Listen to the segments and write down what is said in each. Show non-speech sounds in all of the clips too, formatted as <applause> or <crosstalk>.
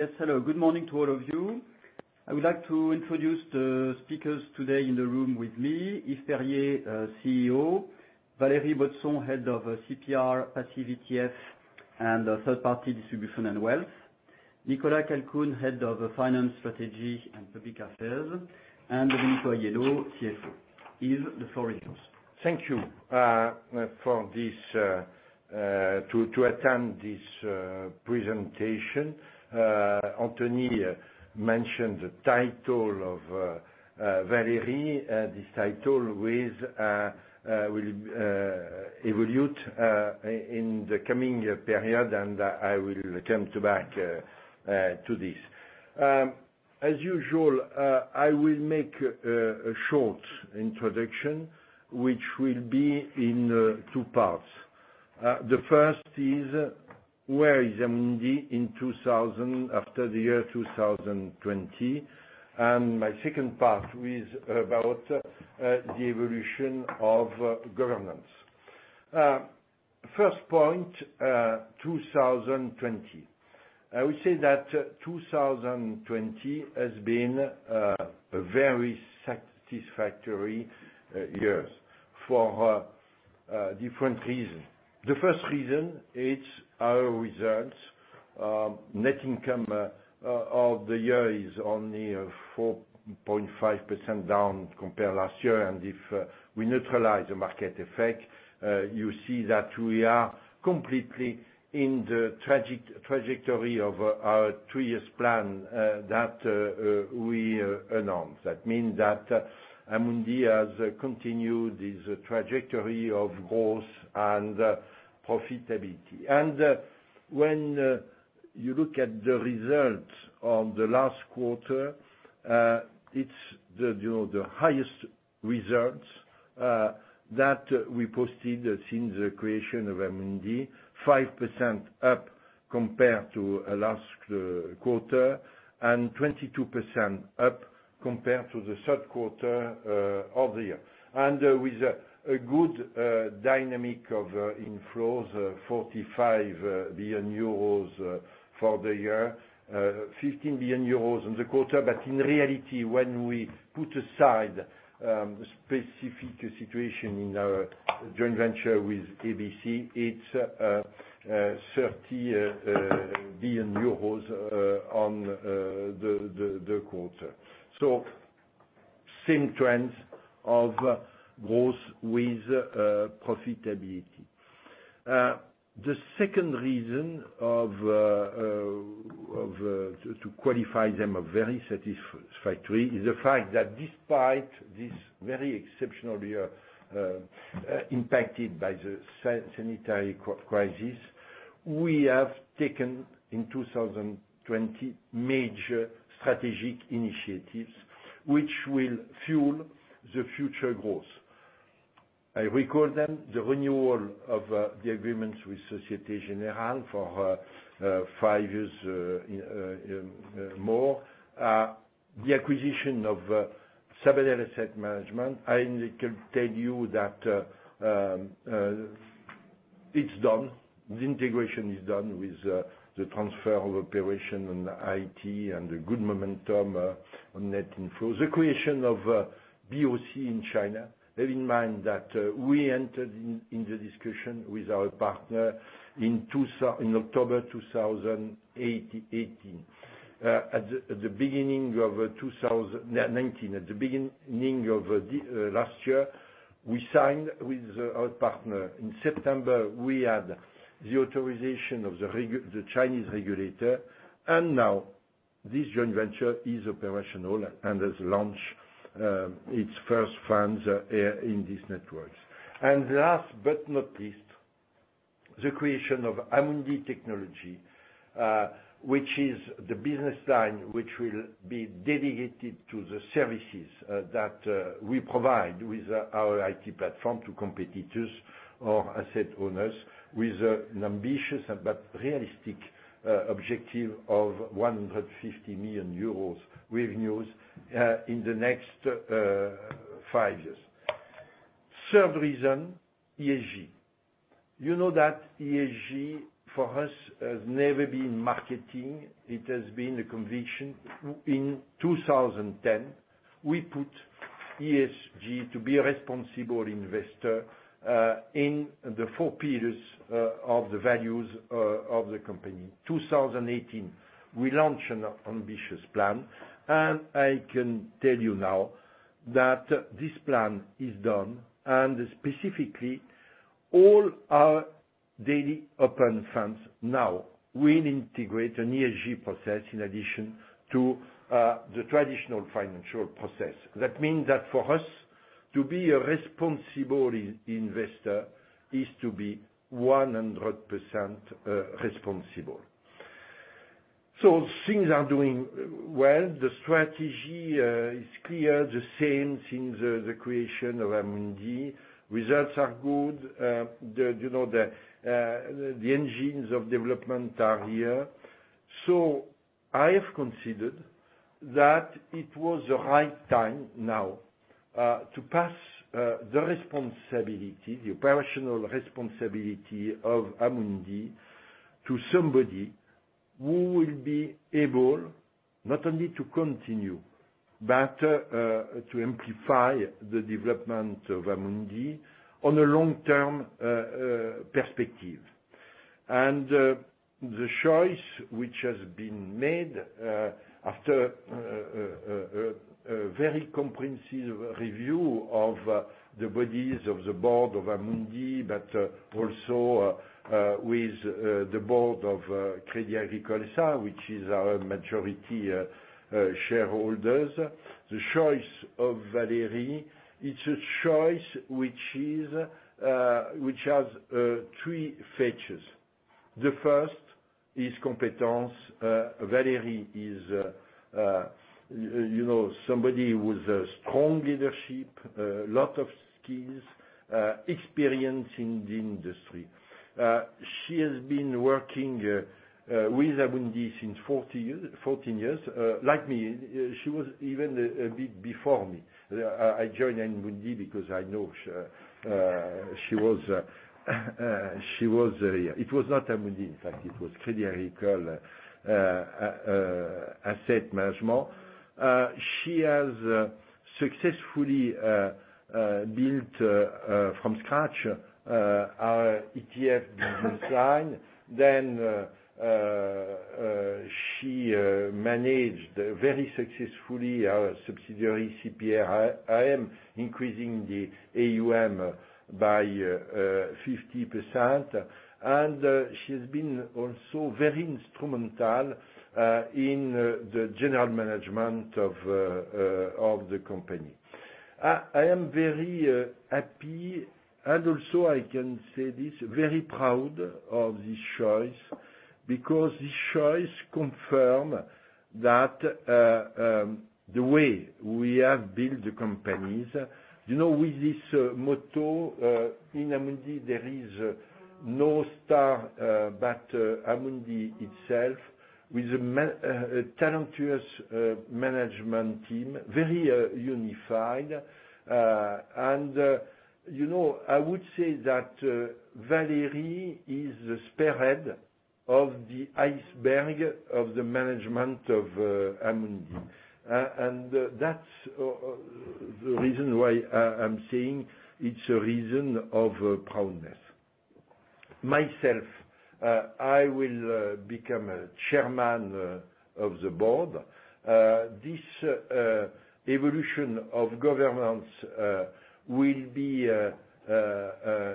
Yes, hello. Good morning to all of you. I would like to introduce the speakers today in the room with me, Yves Perrier, Chief Executive Officer, Valérie Baudson, Head of CPR, Passive ETF, and Third Party Distribution and Wealth, Nicolas Calcoen, Head of Finance, Strategy and Public Affairs, and Domenico Aiello, Chief Financial Officer. Yves, the floor is yours. Thank you to attend this presentation. Anthony mentioned the title of Valérie. This title will evolve in the coming period, and I will come back to this. As usual, I will make a short introduction, which will be in two parts. The first is, where is Amundi after the year 2020? My second part is about the evolution of governance. First point, 2020. I would say that 2020 has been a very satisfactory year for different reasons. The first reason, it's our results. Net income of the year is only 4.5% down compared to last year, and if we neutralize the market effect, you see that we are completely in the trajectory of our three-years plan that we announced. That means that Amundi has continued this trajectory of growth and profitability. When you look at the results of the last quarter, it's the highest results that we posted since the creation of Amundi, 5% up compared to last quarter, and 22% up compared to the third quarter of the year. With a good dynamic of inflows, 45 billion euros for the year, 15 billion euros in the quarter. In reality, when we put aside specific situation in our joint venture with Agricultural Bank of China, it's EUR 30 billion on the quarter. Same trends of growth with profitability. The second reason to qualify them very satisfactory is the fact that despite this very exceptional year impacted by the sanitary crisis, we have taken, in 2020, major strategic initiatives which will fuel the future growth. I recall them, the renewal of the agreements with Société Générale for five years more, the acquisition of Sabadell Asset Management. I can tell you that it's done. The integration is done with the transfer of operation on the Information Technology and the good momentum on net inflows. The creation of BOC in China. Bear in mind that we entered in the discussion with our partner in October 2018. At the beginning of 2019, at the beginning of last year, we signed with our partner. In September, we had the authorization of the Chinese regulator, now this joint venture is operational and has launched its first funds in these networks. Last but not least, the creation of Amundi Technology, which is the business line which will be dedicated to the services that we provide with our IT platform to competitors or asset owners with an ambitious but realistic objective of 150 million euros revenues in the next five years. Third reason, Environmental, Social, and Governance. You know that ESG for us has never been marketing. It has been a conviction. In 2010, we put ESG to be a responsible investor in the four pillars of the values of the company. 2018, we launched an ambitious plan. I can tell you now that this plan is done, specifically, all our daily open funds now will integrate an ESG process in addition to the traditional financial process. That means that for us to be a responsible investor is to be 100% responsible. Things are doing well. The strategy is clear, the same since the creation of Amundi. Results are good. The engines of development are here. I have considered that it was the right time now to pass the operational responsibility of Amundi to somebody who will be able not only to continue, but to amplify the development of Amundi on a long-term perspective. The choice which has been made, after a very comprehensive review of the bodies of the board of Amundi, but also with the board of Crédit Agricole S.A., which is our majority shareholders. The choice of Valérie, it's a choice which has three features. The first is competence. Valérie is somebody with strong leadership, a lot of skills, experience in the industry. She has been working with Amundi since 14 years, like me. She was even a bit before me. I joined Amundi because I know her. It was not Amundi, in fact, it was Crédit Agricole Asset Management. She has successfully built from scratch our Exchange Traded Fund business line. She managed very successfully our subsidiary, CPR AM, increasing the Assets under Management by 50%. She's been also very instrumental in the general management of the company. I am very happy, and also I can say this, very proud of this choice, because this choice confirm that the way we have built the companies, with this motto in Amundi, there is no star but Amundi itself, with a talented management team, very unified. I would say that Valérie is the spearhead of the iceberg of the management of Amundi. That's the reason why I'm saying it's a reason of pride. Myself, I will become chairman of the board. This evolution of governance will be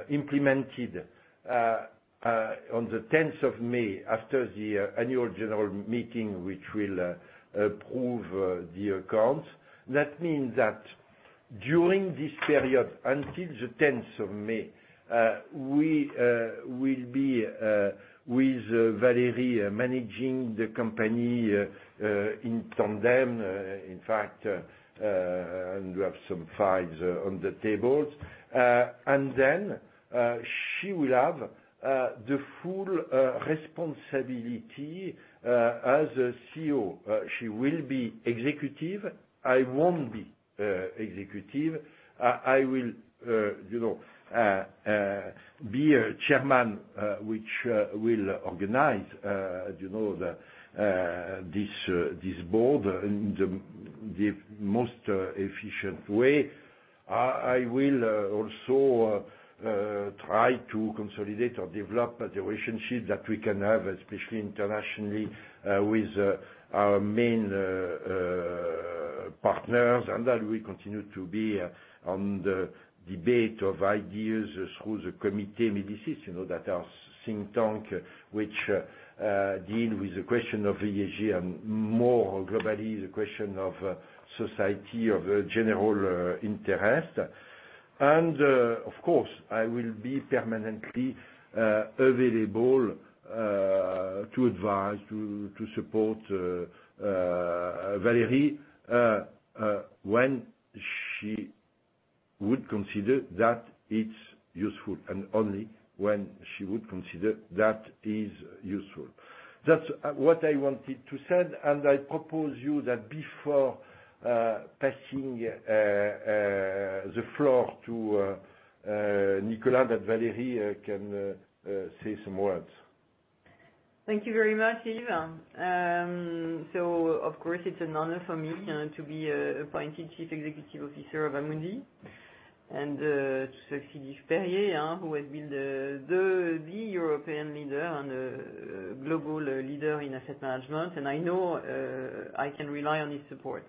implemented on the 10th of May after the Annual General Meeting, which will approve the accounts. That means that during this period, until the 10th of May, we will be with Valérie, managing the company in tandem, in fact, and we have some files on the tables. Then she will have the full responsibility as a CEO. She will be executive. I won't be executive. I will be a Chairman, which will organize this board in the most efficient way. I will also try to consolidate or develop the relationship that we can have, especially internationally, with our main partners, and that we continue to be on the debate of ideas through the Comité Médicis, that our think tank, which deal with the question of ESG, and more globally, the question of society, of general interest. Of course, I will be permanently available to advise, to support Valérie when she would consider that it's useful, and only when she would consider that is useful. That's what I wanted to said, and I propose you that before passing the floor to Nicolas, that Valérie can say some words. Thank you very much, Yves. Of course, it's an honor for me to be appointed Chief Executive Officer of Amundi, and to succeed Yves Perrier, who has been the European leader and global leader in asset management, and I know I can rely on his support.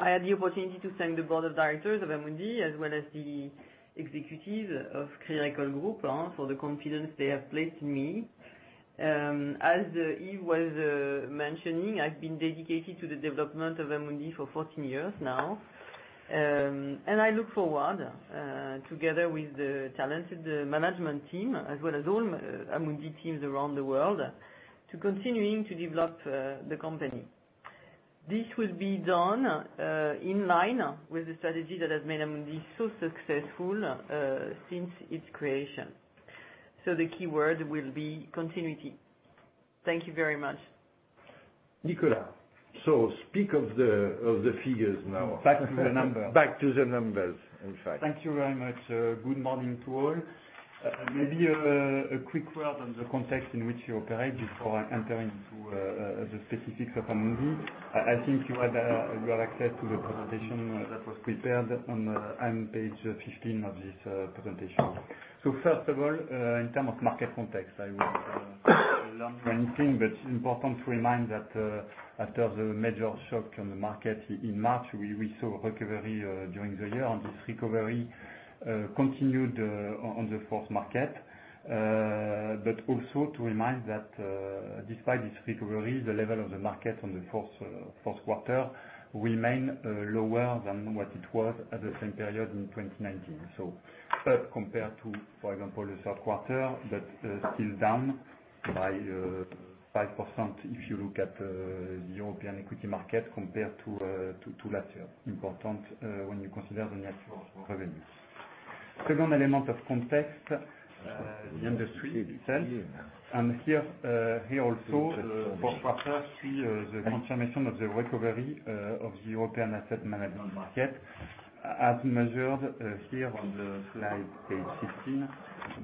I had the opportunity to thank the Board of Directors of Amundi, as well as the executives of Crédit Agricole Group for the confidence they have placed in me. As Yves was mentioning, I've been dedicated to the development of Amundi for 14 years now, and I look forward, together with the talented management team, as well as all Amundi teams around the world, to continuing to develop the company. This will be done in line with the strategy that has made Amundi so successful since its creation. The keyword will be continuity. Thank you very much. Speak of the figures now. Back to the numbers. Back to the numbers, in fact. Thank you very much. Good morning to all. A quick word on the context in which we operate before I enter into the specifics of Amundi. I think you have access to the presentation that was prepared on page 15 of this presentation. First of all, in terms of market context, I will learn anything, but it's important to remind that after the major shock on the market in March, we saw a recovery during the year, and this recovery continued on the fourth quarter. Also to remind that despite this recovery, the level of the market on the fourth quarter remained lower than what it was at the same period in 2019. Up compared to, for example, the third quarter, but still down by 5% if you look at the European equity market compared to last year. Important when you consider the nature of revenues. Second element of context, the industry itself, and here also, fourth quarter see the confirmation of the recovery of the European asset management market as measured here on the slide, page 16,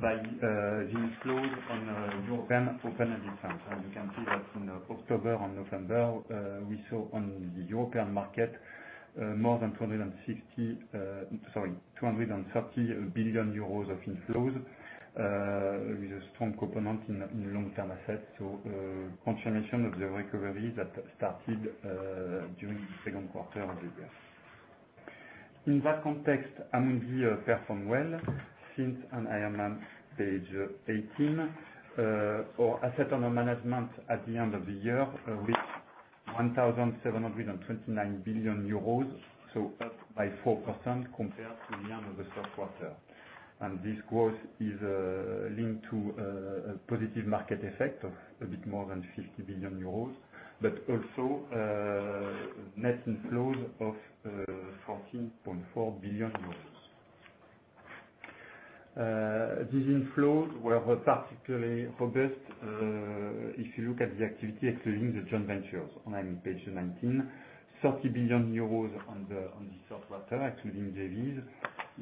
by the inflows on European open-ended funds. You can see that in October and November, we saw on the European market more than 230 billion euros of inflows with a strong component in long-term assets. Confirmation of the recovery that started during the second quarter of this year. In that context, Amundi performed well since, and I am on page 18, our asset under management at the end of the year reached 1,729 billion euros, so up by 4% compared to the end of the third quarter. This growth is linked to a positive market effect of a bit more than 50 billion euros, but also net inflows of 14.4 billion euros. These inflows were particularly robust if you look at the activity excluding the joint ventures, I'm on page 19, 30 billion euros on the third quarter, excluding JVs,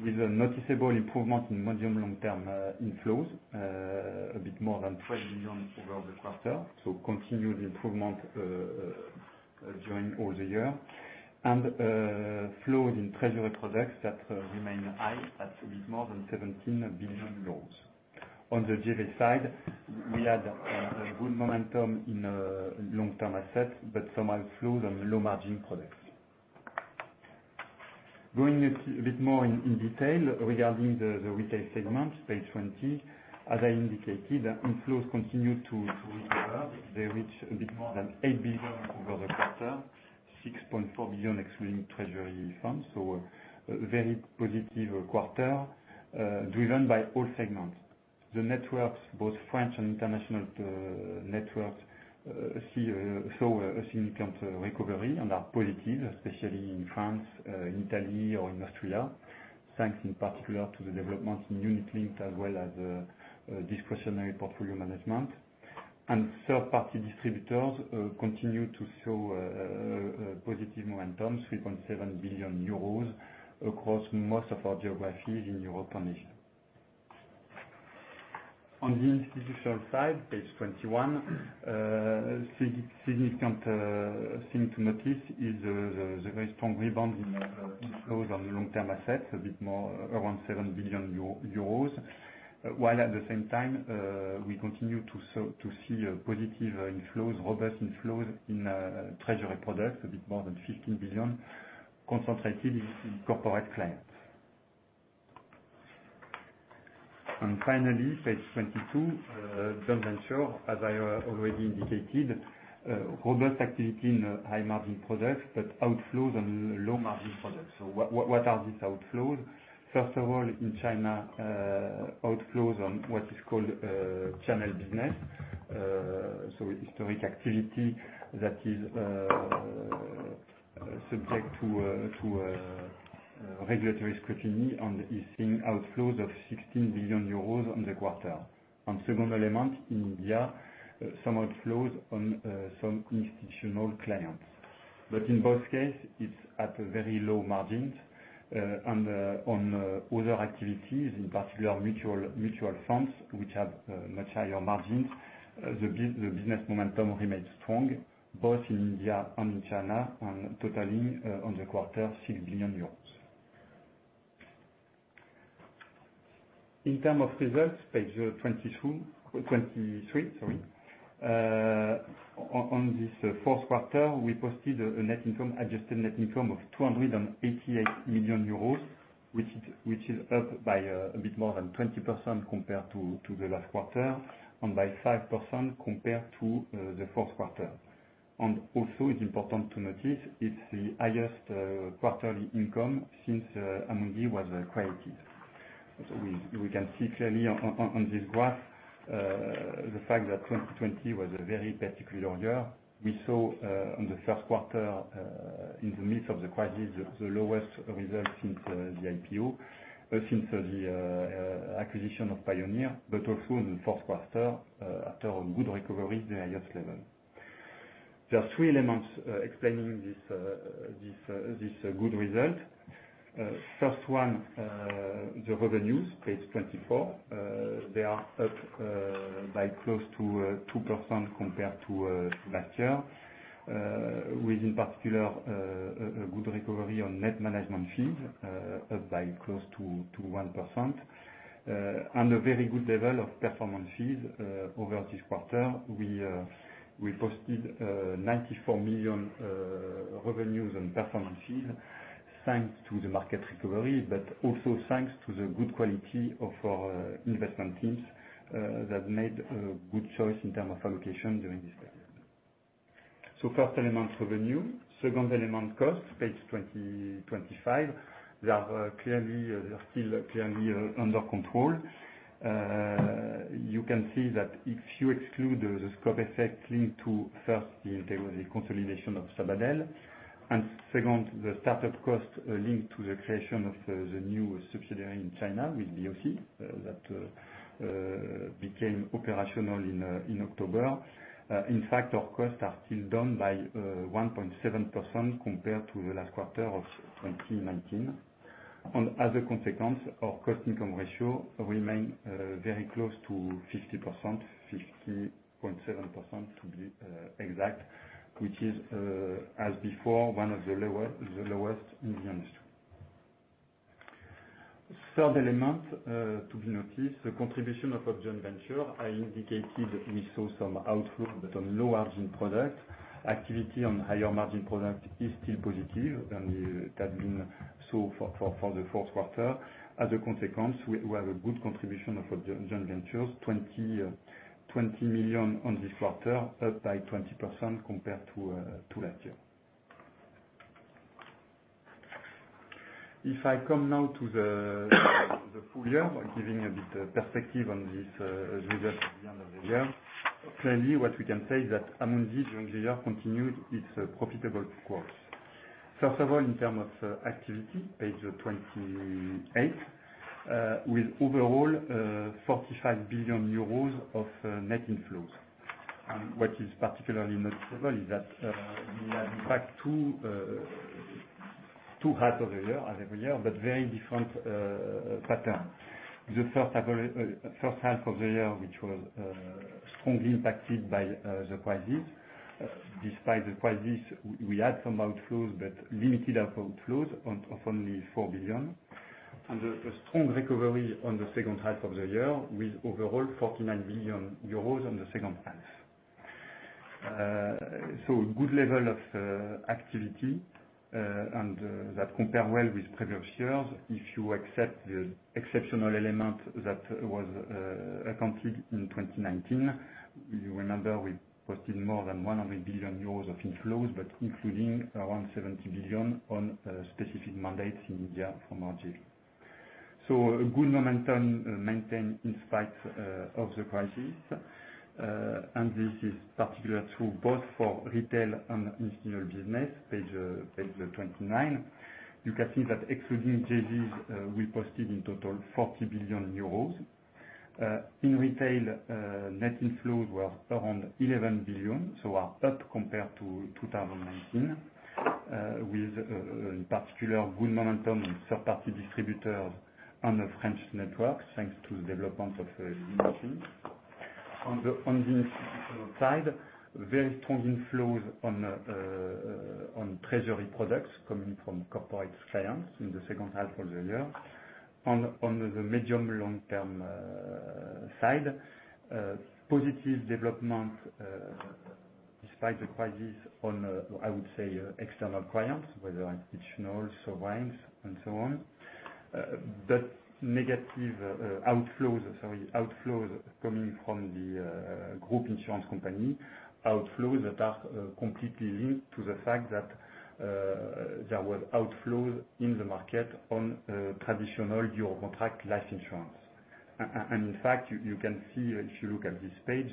with a noticeable improvement in medium-long term inflows, a bit more than 3 billion over the quarter. Continued improvement during all the year. Flows in treasury products that remain high at a bit more than 17 billion euros. On the JV side, we had good momentum in long-term assets, some outflows on low-margin products. Going a bit more in detail regarding the retail segment, page 20, as I indicated, inflows continued to recover. They reached a bit more than 8 billion over the quarter, 6.4 billion excluding treasury funds. A very positive quarter driven by all segments. The networks, both French and international networks, show a significant recovery and are positive, especially in France, in Italy or in Austria, thanks in particular to the development in unit-linked as well as discretionary portfolio management. Third-party distributors continue to show a positive momentum, 3.7 billion euros across most of our geographies in Europe and Asia. On the institutional side, page 21, significant thing to notice is the very strong rebound in inflows on long-term assets, a bit more around 7 billion euro, while at the same time, we continue to see a positive inflows, robust inflows in treasury products, a bit more than 15 billion concentrated in corporate clients. Finally, page 22, joint venture, as I already indicated, robust activity in high-margin products, but outflows on low-margin products. What are these outflows? First of all, in China, outflows on what is called Channel Business. Historic activity that is subject to regulatory scrutiny and is seeing outflows of 16 billion euros on the quarter. Second element in India, some outflows on some institutional clients. In both cases, it's at very low margins. On other activities, in particular mutual funds, which have much higher margins, the business momentum remains strong, both in India and in China, and totaling on the quarter 6 billion euros. In terms of results, page 23, on this fourth quarter, we posted a net income, adjusted net income of 288 million euros, which is up by a bit more than 20% compared to the last quarter and by 5% compared to the fourth quarter. Also, it's important to notice it's the highest quarterly income since Amundi was created. We can see clearly on this graph the fact that 2020 was a very particular year. We saw on the first quarter, in the midst of the crisis, the lowest results since the Initial Public Offering, since the acquisition of Pioneer, but also in the fourth quarter, after a good recovery, the highest level. There are three elements explaining this good result. First one, the revenues, page 24. They are up by close to 2% compared to last year, with, in particular, a good recovery on net management fees, up by close to 1%, and a very good level of performance fees over this quarter. We posted 94 million revenues on performance fees thanks to the market recovery, but also thanks to the good quality of our investment teams that made a good choice in terms of allocation during this period. First element, revenue. Second element, costs, page 25. They are still clearly under control. You can see that if you exclude the scope effects linked to, first, there was a consolidation of Sabadell, and second, the startup cost linked to the creation of the new subsidiary in China with BOC that became operational in October. In fact, our costs are still down by 1.7% compared to the last quarter of 2019, and as a consequence, our cost-income ratio remains very close to 50%, 50.7% to be exact, which is, as before, one of the lowest in the industry. Third element to be noticed, the contribution of joint venture. I indicated we saw some outflow, but on low-margin product. Activity on higher-margin product is still positive, and that's been so for the fourth quarter. As a consequence, we have a good contribution of joint ventures, 20 million on this quarter, up by 20% compared to last year. If I come now to the full year, giving a bit perspective on this result at the end of the year, clearly what we can say is that Amundi during the year continued its profitable course. First of all, in terms of activity, page 28, with overall 45 billion euros of net inflows. What is particularly noticeable is that we had in fact 2/2 of the year, as every year, but very different pattern. The first half of the year, which was strongly impacted by the crisis. Despite the crisis, we had some outflows, but limited outflows of only 4 billion, and a strong recovery on the second half of the year, with overall 49 billion euros on the second half. A good level of activity, and that compare well with previous years. If you accept the exceptional element that was accounted in 2019, you remember we posted more than 100 billion euros of inflows, but including around 70 billion on specific mandates in India from RJ. A good momentum maintained in spite of the crisis, and this is particular true both for retail and institutional business, page 29. You can see that excluding JVs, we posted in total 40 billion euros. In retail, net inflows were around 11 billion, so are up compared to 2019, with in particular good momentum in third-party distributors on the French network, thanks to the development of unit-linked. On the institutional side, very strong inflows on treasury products coming from corporate clients in the second half of the year. On the medium, long-term side, positive development despite the crisis on, I would say, external clients, whether institutional, sovereigns, and so on. Negative outflows coming from the group insurance company, outflows that are completely linked to the fact that there were outflows in the market on traditional Euro contract life insurance. In fact, you can see, if you look at this page,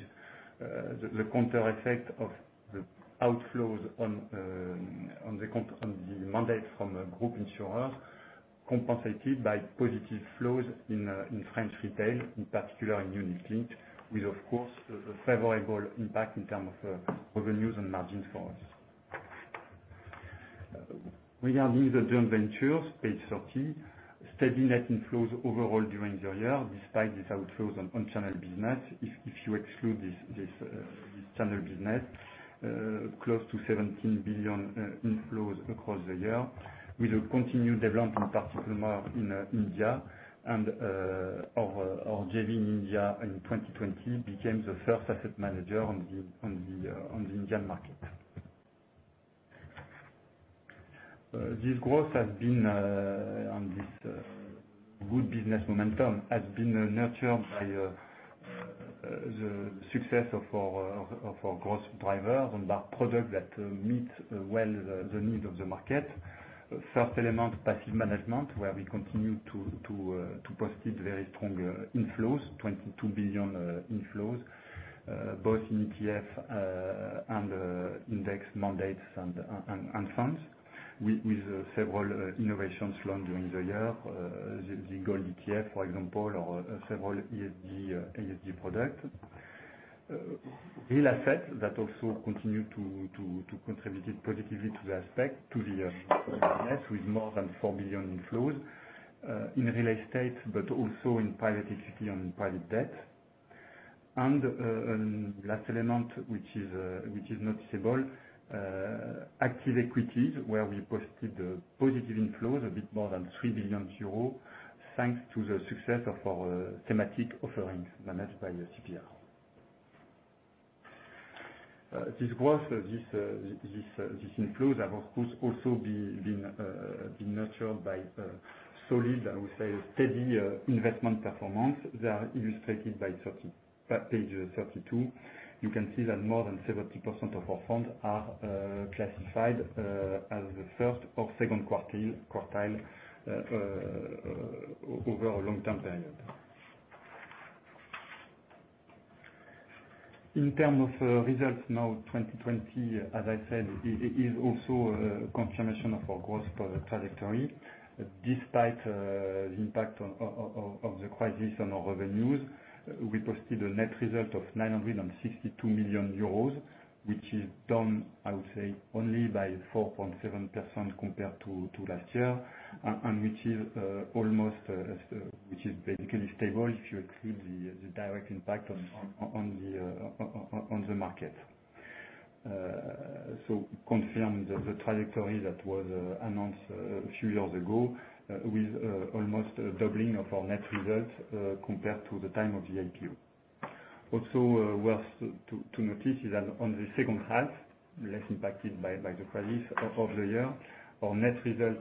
the counter effect of the outflows on the mandate from a group insurer compensated by positive flows in French retail, in particular in unit-linked, with, of course, a favorable impact in terms of revenues and margins for us. Regarding the joint ventures, page 30, steady net inflows overall during the year, despite these outflows on Channel Business. If you exclude this channel business, close to 17 billion inflows across the year with a continued development, in particular in India, and our JV in India in 2020 became the first asset manager on the Indian market. This growth and this good business momentum has been nurtured by the success of our growth drivers and by product that meets well the need of the market. First element, passive management, where we continue to post very strong inflows, 22 billion inflows, both in ETF and index mandates and funds. With several innovations launched during the year, the Gold Exchange Traded Commodity, for example, or several ESG products. Real assets that also continue to contribute positively to the AUM, with more than 4 billion in flows, in real estate, but also in private equity and private debt. Last element, which is noticeable, active equities, where we posted positive inflows, a bit more than 3 billion euros, thanks to the success of our thematic offerings managed by CPR. This growth, these inflows have, of course, also been nurtured by solid, I would say, steady investment performance. They are illustrated by page 32. You can see that more than 70% of our funds are classified as the first or second quartile over a long-term period. In terms of results now, 2020, as I said, is also a confirmation of our growth trajectory. Despite the impact of the crisis on our revenues, we posted a net result of 962 million euros, which is down, I would say, only by 4.7% compared to last year, and which is basically stable if you exclude the direct impact on the market. This confirms the trajectory that was announced a few years ago, with almost a doubling of our net results compared to the time of the IPO. Also worth to notice is that on the second half, less impacted by the crisis of the year, our net result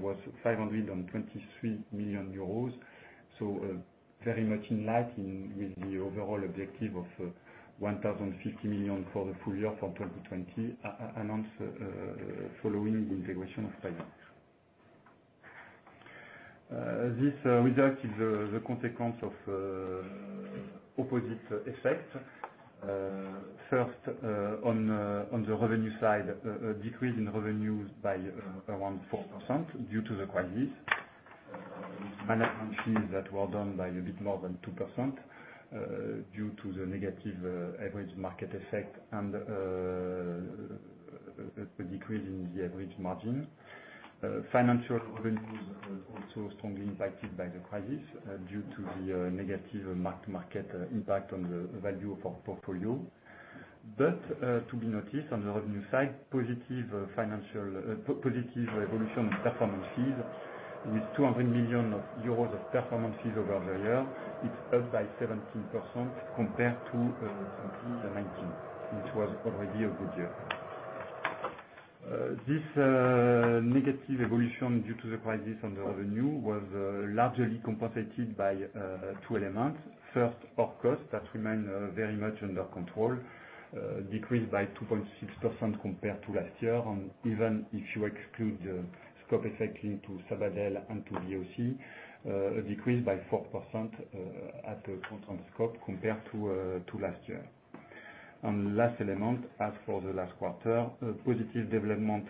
was 523 million euros. Very much in line with the overall objective of 1,050 million for the full year for 2020, announced following the integration of. <audio distortion> This result is the consequence of opposite effects. First, on the revenue side, a decrease in revenues by around 4% due to the crisis. Management fees that were down by a bit more than 2% due to the negative average market effect and a decrease in the average margin. Financial revenues are also strongly impacted by the crisis due to the negative mark-to-market impact on the value of our portfolio. To be noticed on the revenue side, positive evolution in performance fees with 200 million of performance fees over the year. It's up by 17% compared to 2019, which was already a good year. This negative evolution due to the crisis on the revenue was largely compensated by two elements. Our cost, that remained very much under control, decreased by 2.6% compared to last year. Even if you exclude the scope effect linked to Sabadell and to BOC, a decrease by 4% at the constant scope compared to last year. Last element, as for the last quarter, a positive development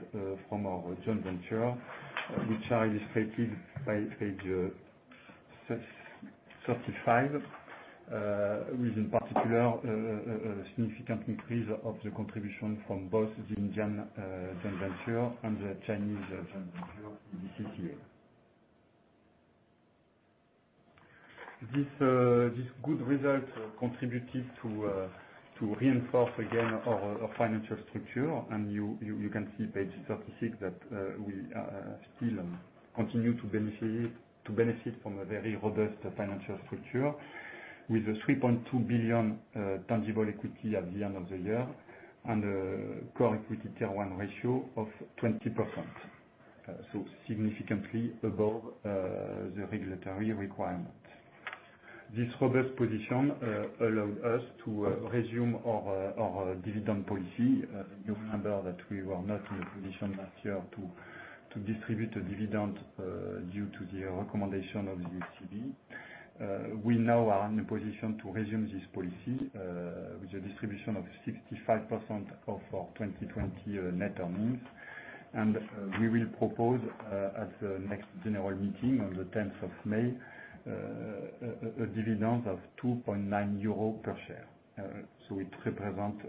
from our joint venture, which are illustrated by page 35, with in particular, a significant increase of the contribution from both the Indian joint venture and the Chinese joint venture in this year. This good result contributed to reinforce again our financial structure, you can see page 36 that we still continue to benefit from a very robust financial structure with a 3.2 billion tangible equity at the end of the year and a core equity Tier 1 ratio of 20%. Significantly above the regulatory requirement. This robust position allowed us to resume our dividend policy. You remember that we were not in a position last year to distribute a dividend due to the recommendation of the European Central Bank. We now are in a position to resume this policy with a distribution of 65% of our 2020 net earnings. We will propose at the next general meeting on the 10th of May, a dividend of 2.9 euro per share. It represents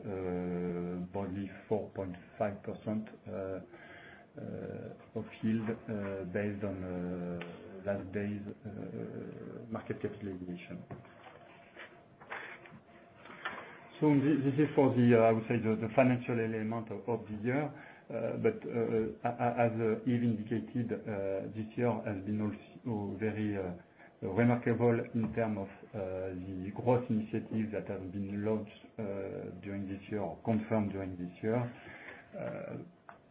only 4.5% of yield based on last day's market capitalization. This is for the, I would say, the financial element of the year. As Yves indicated, this year has been also very remarkable in terms of the growth initiatives that have been launched during this year or confirmed during this year.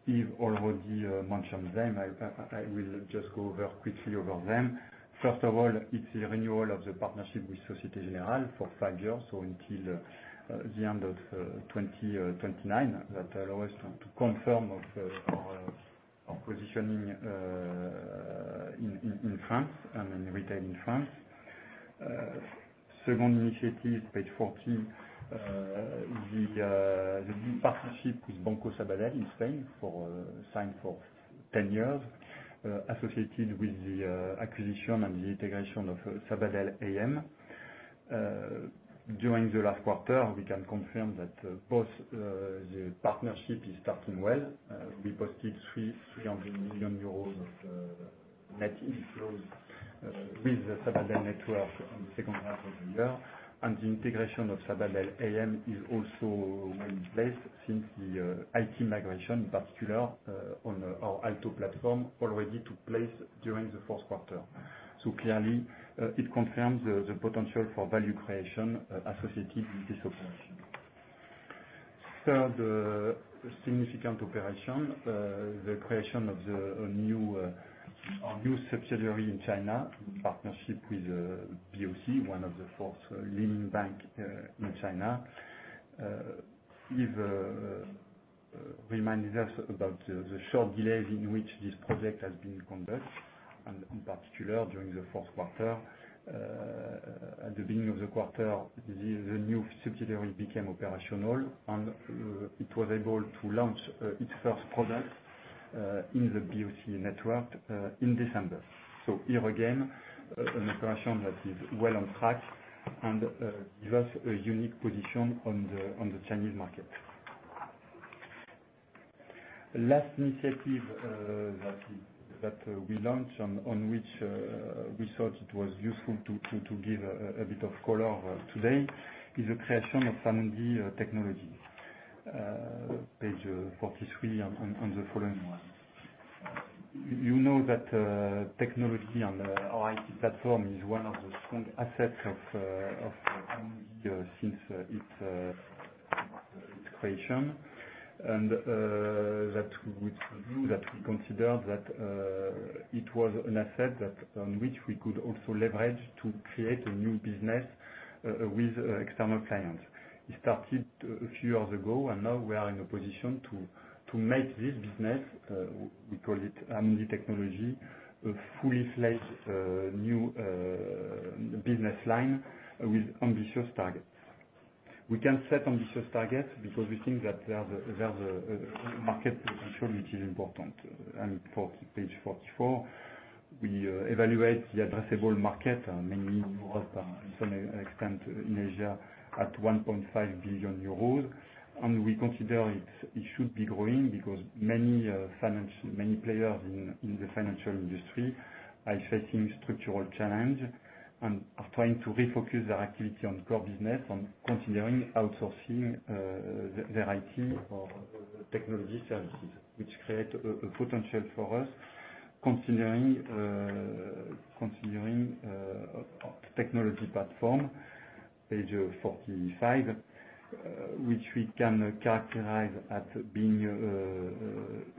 Yves already mentioned them. I will just go over quickly over them. First of all, it's the renewal of the partnership with Société Générale for five years, so until the end of 2029. That allows to confirm our positioning in France and in retail in France. Second initiative, page 40. The partnership with Banco Sabadell in Spain signed for 10 years, associated with the acquisition and the integration of Sabadell AM. During the last quarter, we can confirm that both the partnership is starting well. We posted 300 million euros of net inflows with Sabadell network in the second half of the year, and the integration of Sabadell AM is also well in place since the IT migration, in particular, on our Amundi Leading Technologies & Operations platform, already took place during the first quarter. Clearly, it confirms the potential for value creation associated with this operation. Third significant operation, the creation of a new subsidiary in China in partnership with BOC, one of the four leading bank in China. It reminded us about the short delays in which this project has been conducted and in particular, during the fourth quarter. At the beginning of the quarter, the new subsidiary became operational, and it was able to launch its first product in the BOC network in December. Here again, an operation that is well on track and gives us a unique position on the Chinese market. Last initiative that we launched on which we thought it was useful to give a bit of color today is the creation of Amundi Technology. Page 43, and the following ones. You know that technology on our IT platform is one of the strong assets of Amundi since its creation, and that we would view that we consider that it was an asset on which we could also leverage to create a new business with external clients. It started a few years ago. Now we are in a position to make this business, we call it Amundi Technology, a fully fledged new business line with ambitious targets. We can set ambitious targets because we think that there's a market potential, which is important. Page 44, we evaluate the addressable market, mainly in Europe, and to some extent in Asia, at 1.5 billion euros. We consider it should be growing because many players in the financial industry are facing structural challenges and are trying to refocus their activity on core business, on considering outsourcing their IT or technology services, which create a potential for us. Considering technology platform, page 45, which we can characterize as being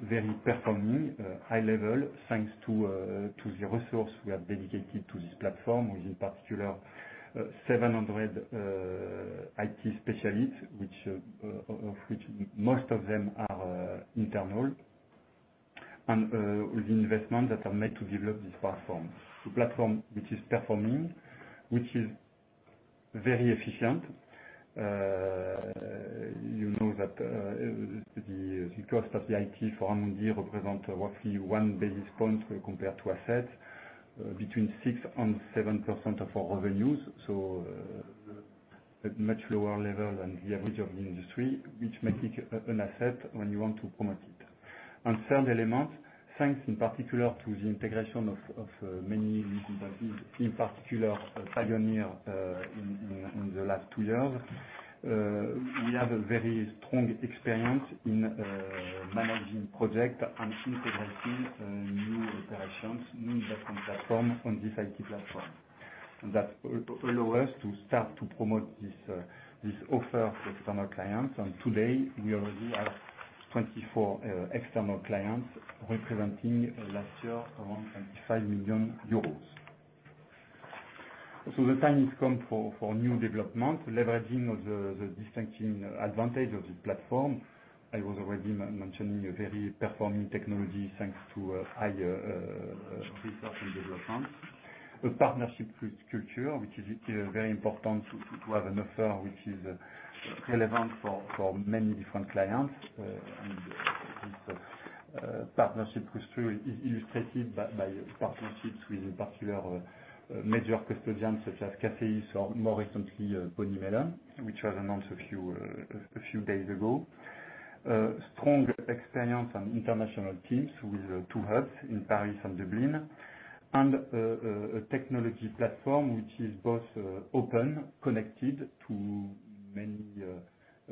very performing, high level, thanks to the resource we have dedicated to this platform, with, in particular, 700 IT specialists, of which most of them are internal, and with investments that are made to develop this platform. The platform, which is performing, which is very efficient. You know that the cost of the IT for Amundi represents roughly one basis point compared to assets, between 6% and 7% of our revenues. A much lower level than the average of the industry, which makes it an asset when you want to promote it. Third element, thanks in particular to the integration of many leading practices, in particular, Pioneer in the last two years. We have a very strong experience in managing projects and integrating new operations, new investment platforms on this IT platform. That allow us to start to promote this offer to external clients, and today we already have 24 external clients representing last year around 25 million. The time has come for new development, leveraging the distinct advantage of the platform. I was already mentioning a very performing technology thanks to high research and development. A partnership culture, which is very important to have an offer which is relevant for many different clients. This partnership culture is illustrated by partnerships with, in particular, major custodians such as CACEIS or more recently, BNY Mellon, which was announced a few days ago. Strong experience on international teams with two hubs in Paris and Dublin, and a technology platform, which is both open, connected to,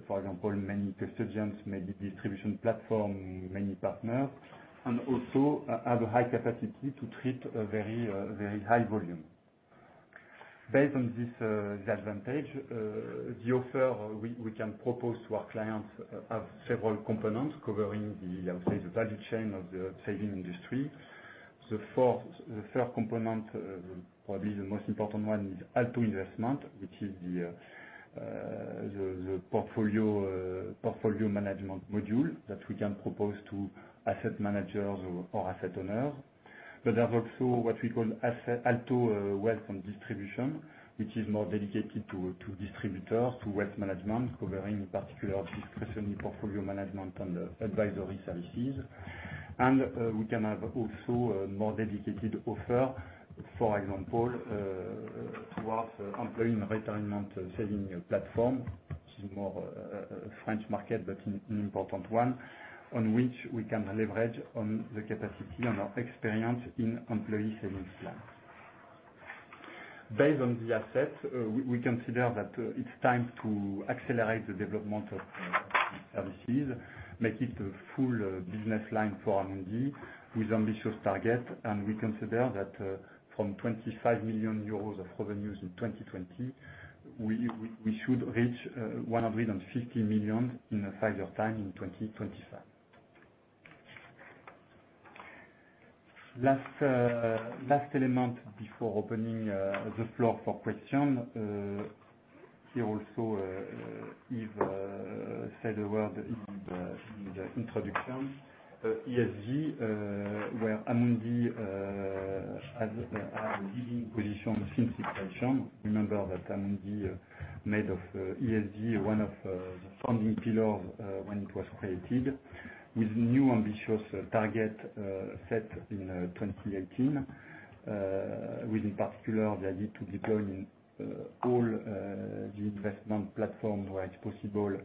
for example, many custodians, maybe distribution platform, many partners, and also have a high capacity to treat very high volume. Based on this advantage, the offer we can propose to our clients have several components covering the, I would say, the value chain of the saving industry. The third component, probably the most important one, is ALTO Investment, which is The portfolio management module that we can propose to asset managers or asset owners. There's also what we call ALTO Wealth & Distribution, which is more dedicated to distributors, to wealth management, covering in particular discretionary portfolio management and advisory services. We can have also a more dedicated offer, for example, towards employee retirement savings platform, which is more a French market, but an important one, on which we can leverage on the capacity and our experience in employee savings plans. Based on the assets, we consider that it's time to accelerate the development of services, make it a full business line for Amundi with ambitious targets. We consider that from 25 million euros of revenues in 2020, we should reach 150 million in a period of time in 2025. Last element before opening the floor for questions. Here also, Yves said a word in the introduction. ESG, where Amundi has had a leading position since its creation. Remember that Amundi made of ESG one of the founding pillars when it was created, with new ambitious targets set in 2018, with in particular the idea to deploy in all the investment platforms where it's possible,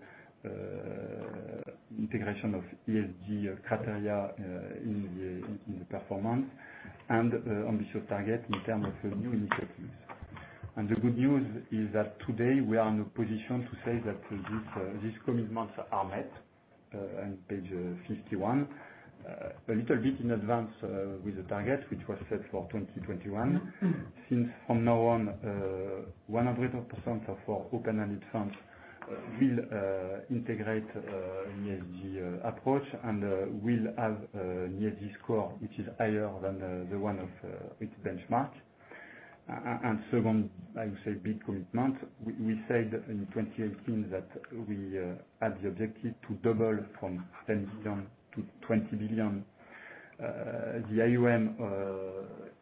integration of ESG criteria in the performance, and ambitious target in terms of new initiatives. The good news is that today we are in a position to say that these commitments are met, on page 51, a little bit in advance with the target which was set for 2021. Since from now on, 100% of our open-ended funds will integrate an ESG approach and will have an ESG score which is higher than the one of its benchmark. Second, I would say, big commitment, we said in 2018 that we had the objective to double from 10 billion-20 billion the AUM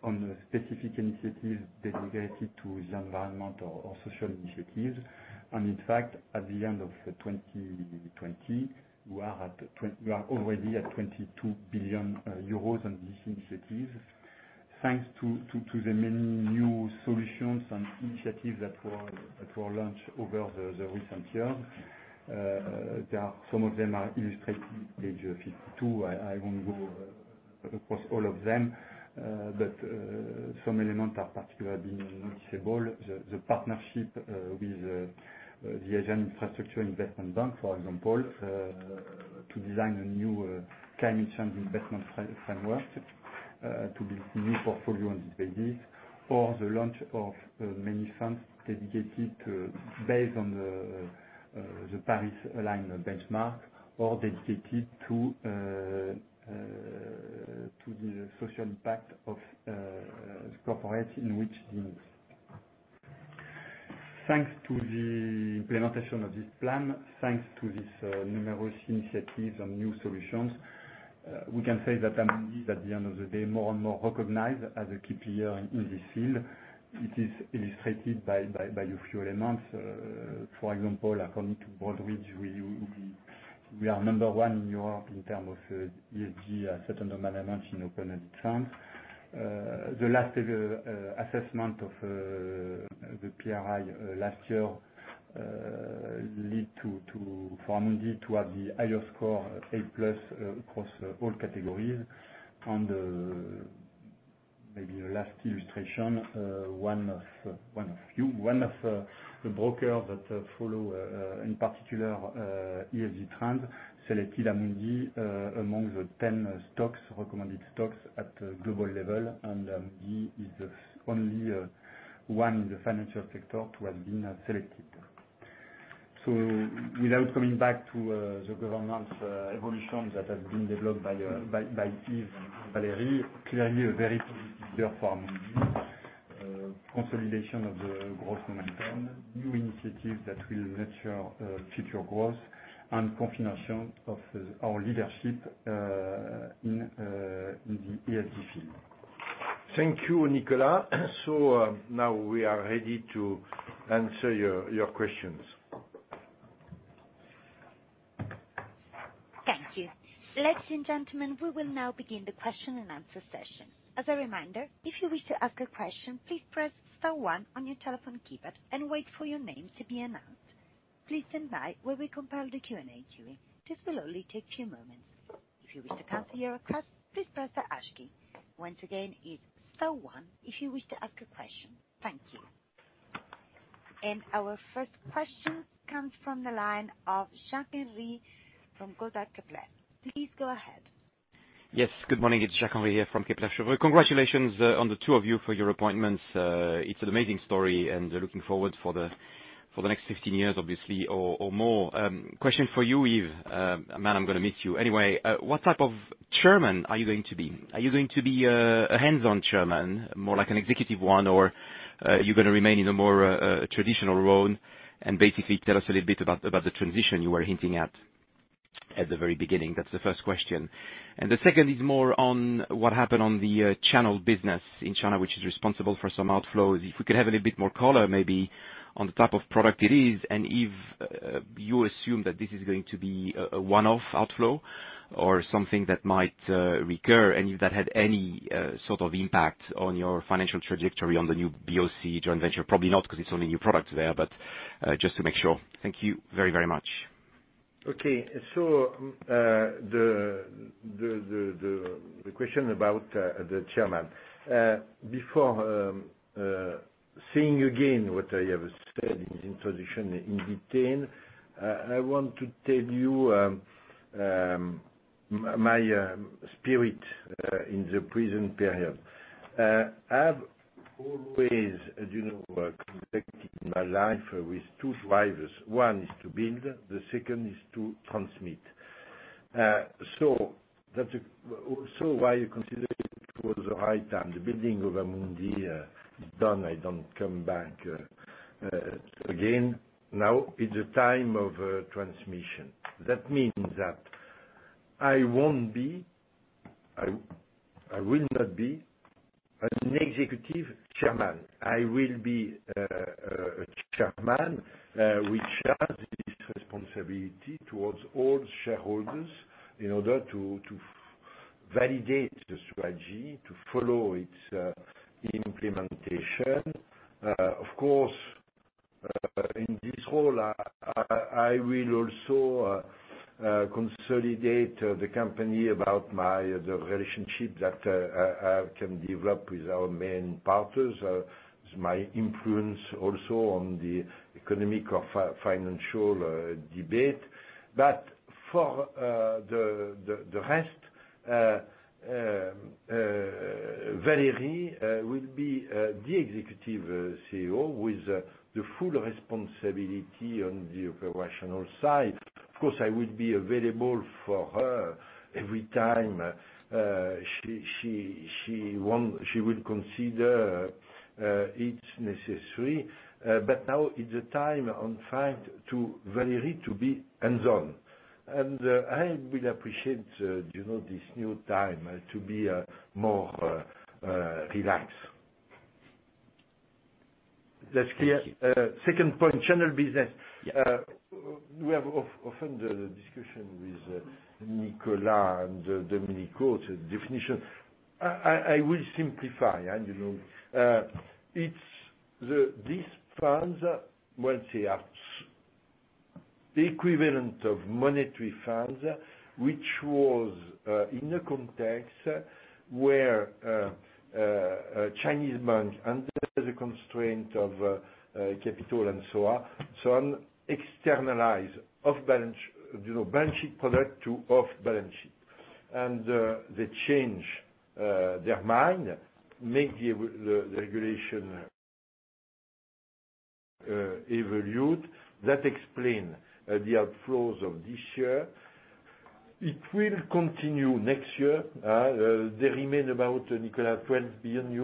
on specific initiatives dedicated to the environment or social initiatives. In fact, at the end of 2020, we are already at 22 billion euros on these initiatives. Thanks to the many new solutions and initiatives that were launched over the recent years. Some of them are illustrated page 52. I won't go across all of them, some elements are particularly noticeable. The partnership with the Asian Infrastructure Investment Bank, for example, to design a new climate change investment framework to build new portfolio on this basis, or the launch of many funds dedicated based on the Paris-Aligned Benchmark, or dedicated to the social impact of the corporates in which they invest. Thanks to the implementation of this plan, thanks to these numerous initiatives and new solutions, we can say that Amundi is at the end of the day, more and more recognized as a key player in this field. It is illustrated by a few elements. For example, according to Broadridge, we are number one in Europe in terms of ESG asset under management in open-ended funds. The last assessment of the Principles for Responsible Investment last year led for Amundi to have the highest score, A+, across all categories. Maybe the last illustration, one of the brokers that follow in particular ESG trends, selected Amundi among the 10 stocks, recommended stocks at the global level, and Amundi is the only one in the financial sector to have been selected. Without coming back to the governance evolution that has been developed by Yves Perrier, clearly a very key year for Amundi. Consolidation of the growth momentum, new initiatives that will nurture future growth, and confirmation of our leadership in the ESG field. Thank you, Nicolas. Now we are ready to answer your questions. Thank you. Ladies and gentlemen, we will now begin the question and answer session. As a reminder, if you wish to ask a question, please press star one on your telephone keypad and wait for your name to be announced. Please stand by while we compile the Q&A queue. This will only take a moment. If you wish to copy your request, please press the hash key. Once again, if you wish to ask a question, please press one to wait for the question. Our first question comes from the line of Jacques-Henri Gaulard from Kepler Cheuvreux. Please go ahead. Yes, good morning. It's Jacques-Henri Gaulard here from Kepler Cheuvreux. Congratulations on the two of you for your appointments. It's an amazing story and looking forward for the next 15 years, obviously, or more. Question for you, Yves. Man, I'm going to miss you anyway. What type of chairman are you going to be? Are you going to be a hands-on chairman, more like an executive one, or are you going to remain in a more traditional role? Basically tell us a little bit about the transition you were hinting at at the very beginning. That's the first question. The second is more on what happened on the channel business in China, which is responsible for some outflows. If we could have a little bit more color, maybe, on the type of product it is, and if you assume that this is going to be a one-off outflow or something that might recur, and if that had any sort of impact on your financial trajectory on the new BOC joint venture. Probably not, because it's only new products there, but just to make sure. Thank you very much. The question about the chairman. Before saying again what I have said in introduction in detail, I want to tell you my spirit in the present period. I've always, as you know, conducted my life with two drivers. One is to build, the second is to transmit. Why I consider it was the right time, the building of Amundi is done. I don't come back again. Now is the time of transmission. That means that I will not be an Executive Chairman. I will be a chairman which has this responsibility towards all shareholders in order to validate the strategy, to follow its implementation. Of course, in this role, I will also consolidate the company about the relationship that I can develop with our main partners, my influence also on the economic or financial debate. For the rest, Valérie will be the executive CEO with the full responsibility on the operational side. Of course, I will be available for her every time she will consider it necessary. Now is the time, in fact, to Valérie to be hands-on. I will appreciate this new time to be more relaxed. That's clear. Thank you. Second point, Channel Business. Yeah. We have often the discussion with Nicolas and Domenico. The definition, I will simplify. These funds, once they are the equivalent of monetary funds, which was in a context where Chinese banks, under the constraint of capital and so on, externalize off-balance sheet product to off-balance sheet. They change their mind, make the regulation evolved. That explain the outflows of this year. It will continue next year. There remain about, Nicolas, EUR 12 billion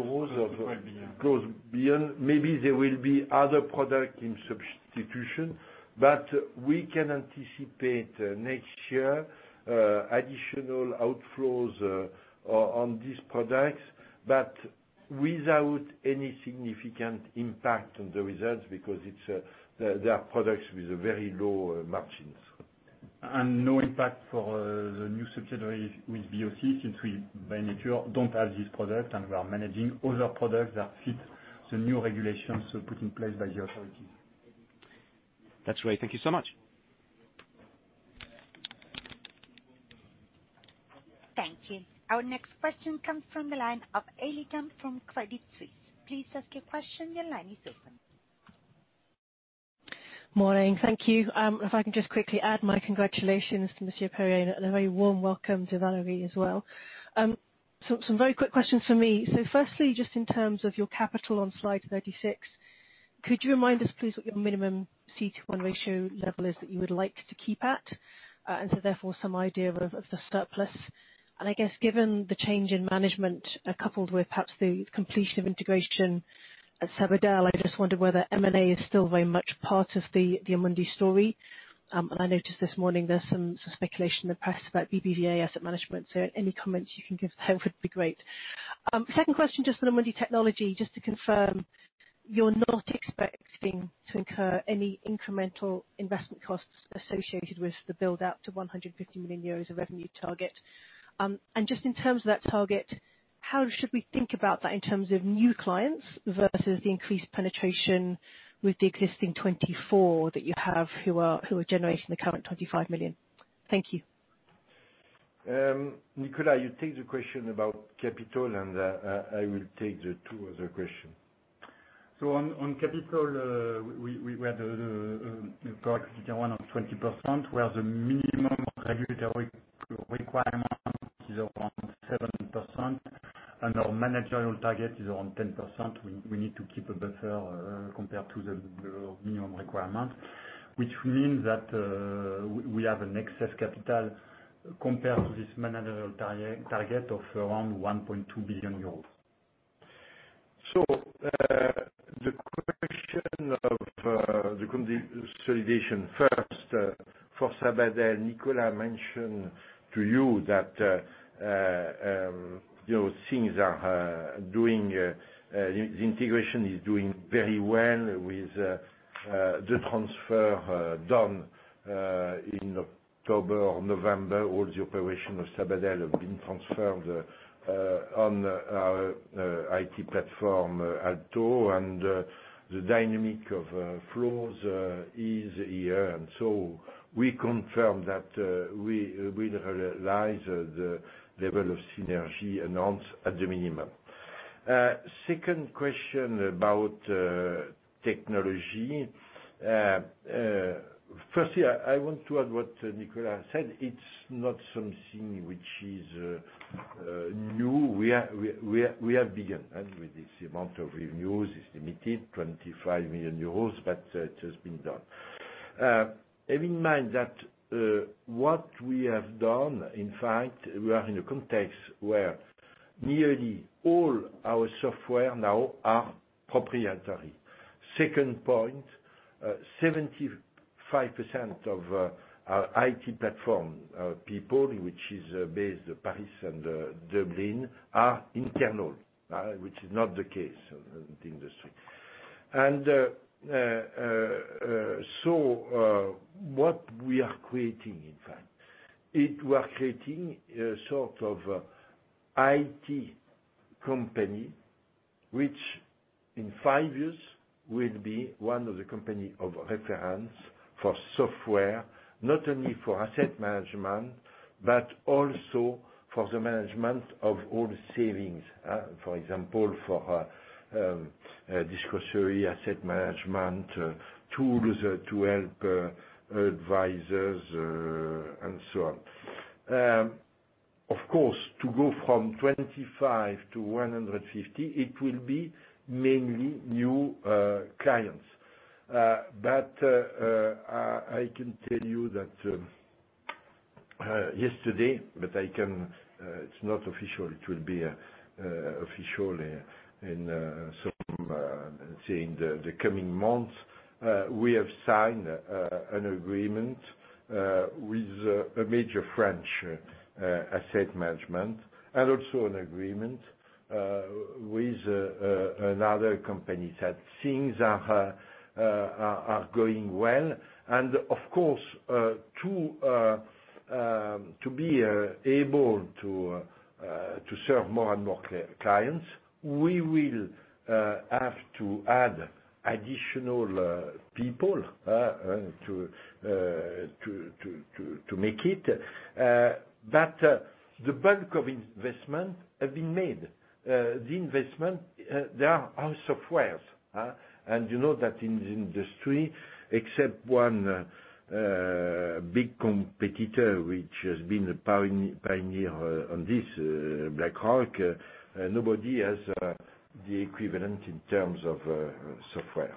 of. <crosstalk> 12 billion. <audio distortion> Maybe there will be other product in substitution, but we can anticipate next year additional outflows on these products, but without any significant impact on the results, because they are products with very low margins. No impact for the new subsidiary with BOC, since we, by nature, don't have this product, and we are managing other products that fit the new regulations put in place by the authority. That's great. Thank you so much. Thank you. Our next question comes from the line of Ellie Doon from Credit Suisse. Please ask your question. Your line is open. Morning. Thank you. If I can just quickly add my congratulations to Monsieur Perrier, and a very warm welcome to Valérie as well. Firstly, just in terms of your capital on slide 36, could you remind us, please, what your minimum Common Equity Tier 1 ratio level is that you would like to keep at? Therefore, some idea of the surplus. I guess, given the change in management, coupled with perhaps the completion of integration at Sabadell, I just wondered whether M&A is still very much part of the Amundi story. I noticed this morning there's some speculation in the press about Banco Bilbao Vizcaya Argentaria Asset Management. Any comments you can give there would be great. Second question, just on Amundi Technology, just to confirm, you're not expecting to incur any incremental investment costs associated with the build-out to 150 million euros of revenue target. Just in terms of that target, how should we think about that in terms of new clients versus the increased penetration with the Existing 24 that you have who are generating the current 25 million? Thank you. Nicolas, you take the question about capital, and I will take the two other question. On capital, we had the CET1 of 20%, where the minimum regulatory requirement is around 7%, and our managerial target is around 10%. We need to keep a buffer compared to the minimum requirement, which means that we have an excess capital compared to this managerial target of around 1.2 billion euros. The question of the consolidation first, for Sabadell, Nicolas mentioned to you that the integration is doing very well with the transfer done in October or November. All the operations of Sabadell have been transferred on our IT platform, ALTO. The dynamic of flows is here. We confirm that we will realize the level of synergy announced at the minimum. Second question about technology. Firstly, I want to add what Nicolas said, it's not something which is new. We have begun, and with this amount of revenues, it's limited, 25 million euros, but it has been done. Bear in mind that what we have done, in fact, we are in a context where nearly all our software now are proprietary. Second point, 75% of our IT platform people, which is based in Paris and Dublin, are internal, which is not the case in the industry. What we are creating, in fact, we are creating a sort of IT company, which in five years will be one of the company of reference for software, not only for asset management, but also for the management of all savings. For example, for discretionary asset management, tools to help advisors, and so on. Of course, to go from 25 to 150, it will be mainly new clients. I can tell you that yesterday, it's not official, it will be official in the coming months, we have signed an agreement with a major French asset management, and also an agreement with another company, that things are going well. Of course, to be able to serve more and more clients, we will have to add additional people to make it. The bulk of investment have been made. The investment, they are our softwares. You know that in the industry, except one big competitor, which has been a pioneer on this, BlackRock, nobody has the equivalent in terms of software.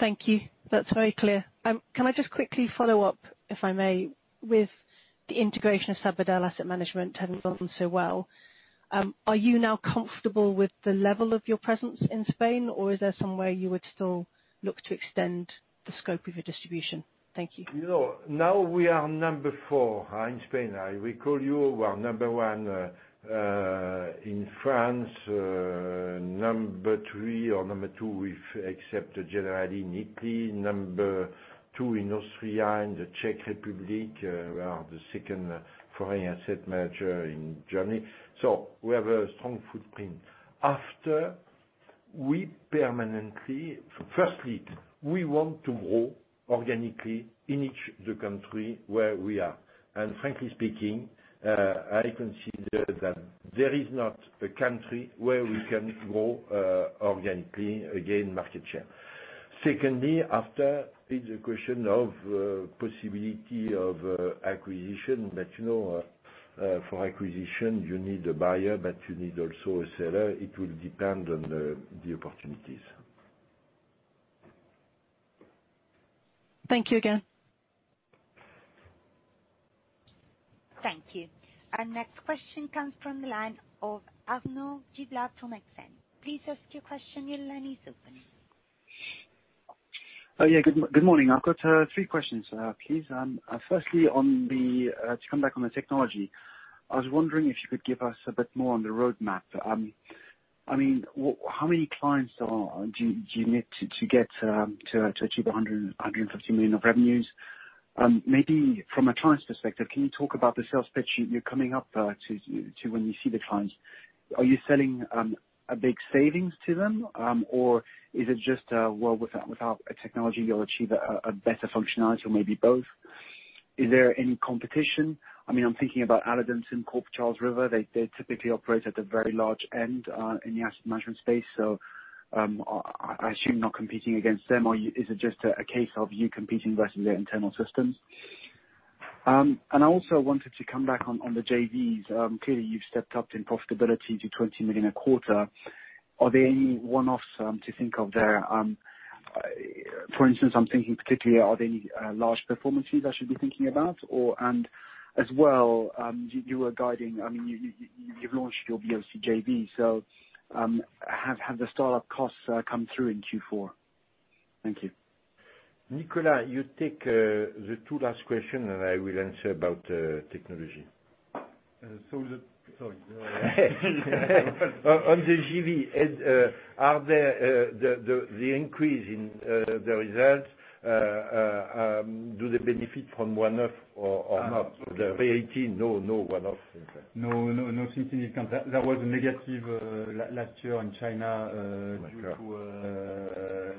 Thank you. That's very clear. Can I just quickly follow up, if I may, with the integration of Sabadell Asset Management having gone so well, are you now comfortable with the level of your presence in Spain, or is there somewhere you would still look to extend the scope of your distribution? Thank you. Now we are number four in Spain. I recall you were number one in France, number three or number two, if except generally in Italy, number two in Austria and the Czech Republic. We are the second foreign asset manager in Germany. We have a strong footprint. Firstly, we want to grow organically in each of the country where we are. Frankly speaking, I consider that there is not a country where we can grow organically, again, market share. Secondly, after is the question of possibility of acquisition. For acquisition, you need a buyer, but you need also a seller. It will depend on the opportunities. Thank you again. Thank you. Our next question comes from the line of Arnaud Giblat from Exane. Please ask your question, your line is open. Yeah, good morning. I've got three questions, please. Firstly, to come back on the technology, I was wondering if you could give us a bit more on the roadmap. How many clients do you need to achieve 150 million of revenues? From a client's perspective, can you talk about the sales pitch you're coming up to when you see the clients? Are you selling a big savings to them? Is it just, well, without technology, you'll achieve a better functionality or maybe both? Is there any competition? I'm thinking about Aladdin and Charles River. They typically operate at the very large end in the asset management space. I assume not competing against them, or is it just a case of you competing versus their internal systems? I also wanted to come back on the JVs. Clearly, you've stepped up in profitability to 20 million a quarter. Are there any one-offs to think of there? For instance, I'm thinking particularly, are there any large performances I should be thinking about? As well, you've launched your BOC JV, have the startup costs come through in Q4? Thank you. Nicolas, you take the two last question, and I will answer about technology. Sorry. On the JV, the increase in the results, do they benefit from one-off or not? 2018, no one-off. No significant. There was a negative last year in China <crosstalk> due to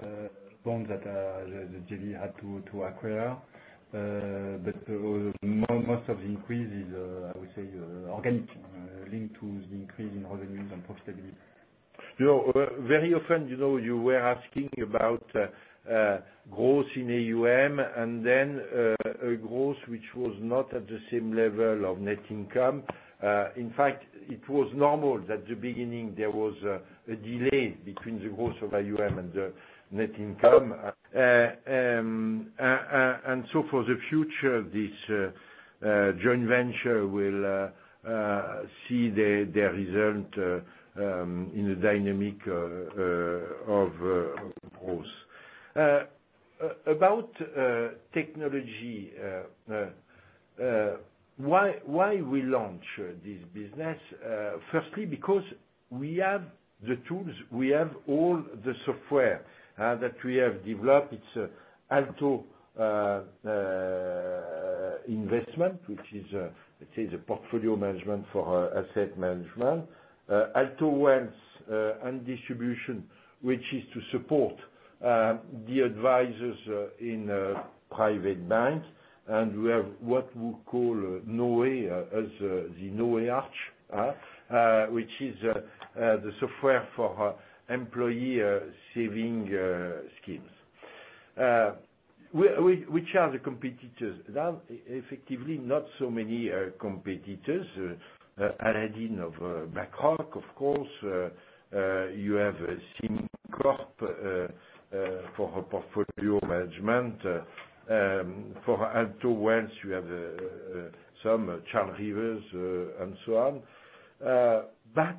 the bonds that the JV had to acquire. Most of the increase is, I would say, organic, linked to the increase in revenues and profitability. Very often, you were asking about growth in AUM, a growth which was not at the same level of net income. In fact, it was normal that at the beginning, there was a delay between the growth of AUM and the net income. For the future, this joint venture will see their result in a dynamic of growth. About technology, why we launch this business. Firstly, because we have the tools, we have all the software that we have developed. It's ALTO Investment, which is a portfolio management for asset management. ALTO Wealth & Distribution, which is to support the advisors in private banks. We have what we call the Noé Arch, which is the software for employee saving schemes. Which are the competitors? There are effectively not so many competitors. Aladdin of BlackRock, of course. You have SimCorp for portfolio management. For ALTO Wealth, you have some, Charles River, and so on. The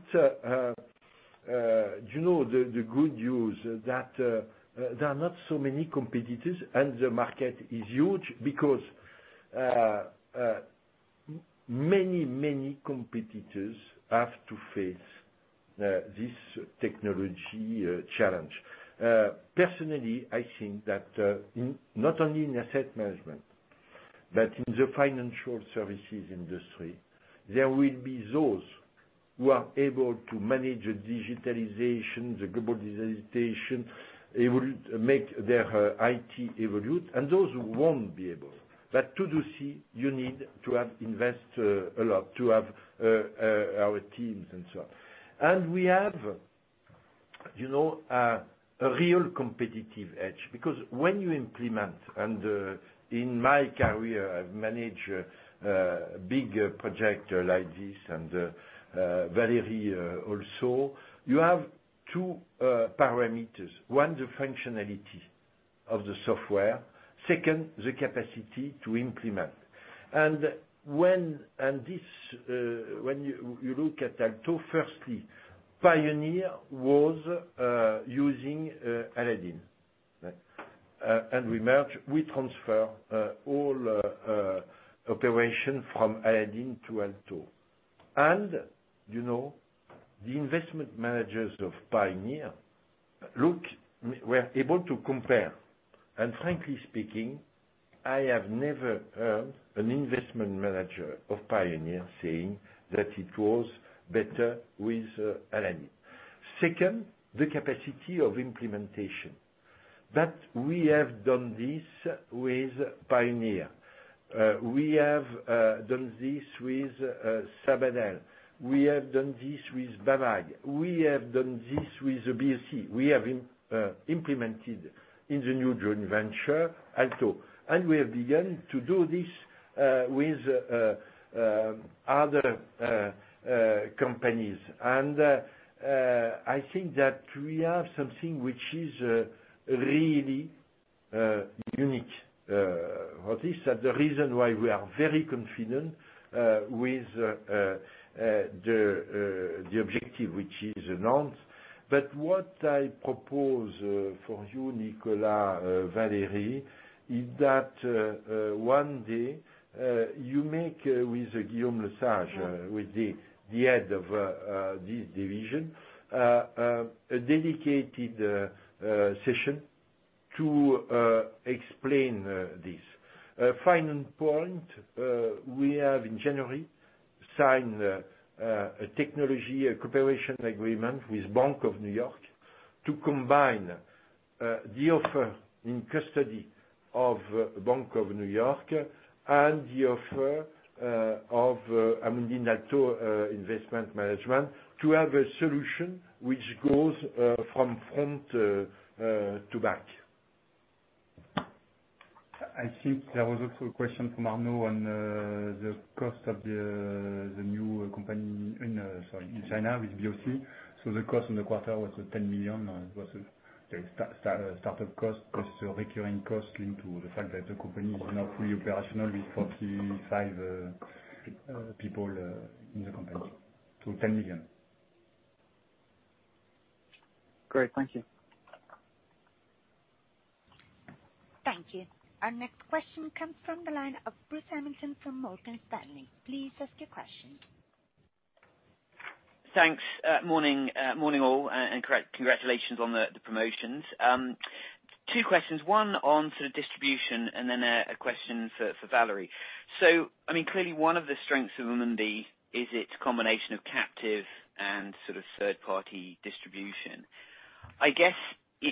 good news that there are not so many competitors and the market is huge because many competitors have to face this technology challenge. Personally, I think that not only in asset management, but in the financial services industry, there will be those who are able to manage the digitalization, the global digitalization, able to make their IT evolve, and those who won't be able. To do so, you need to invest a lot, to have our teams and so on. We have a real competitive edge, because when you implement, and in my career, I've managed a big project like this, and Valérie also. You have two parameters. One, the functionality of the software. Second, the capacity to implement. When you look at ALTO, firstly, Pioneer was using Aladdin. We merge, we transfer all operation from Aladdin to ALTO. The investment managers of Pioneer were able to compare. Frankly speaking, I have never heard an investment manager of Pioneer saying that it was better with Aladdin. Second, the capacity of implementation. We have done this with Pioneer. We have done this with Sabadell. We have done this with BAWAG P.S.K. We have done this with the BOC. We have implemented in the new joint venture, ALTO. We have begun to do this with other companies. I think that we have something which is really unique. The reason why we are very confident with the objective, which is announced. What I propose for you, Nicolas, Valérie, is that one day, you make with Guillaume Lesage, with the head of this division, a dedicated session to explain this. Final point, we have in January, signed a technology, a cooperation agreement with BNY Mellon to combine the offer in custody of BNY Mellon and the offer of Amundi ALTO Investment Management to have a solution which goes from front to back. There was also a question from Arnaud on the cost of the new company in China with BOC. The cost in the quarter was 10 million. It was a startup cost, plus recurring cost, linked to the fact that the company is now fully operational with 45 people in the company. 10 million. Great. Thank you. Thank you. Our next question comes from the line of Bruce Hamilton from Morgan Stanley. Please ask your question. Thanks. Morning all, congratulations on the promotions. Two questions, one on sort of distribution, then a question for Valérie. Clearly, one of the strengths of Amundi is its combination of captive and sort of third-party distribution. I guess,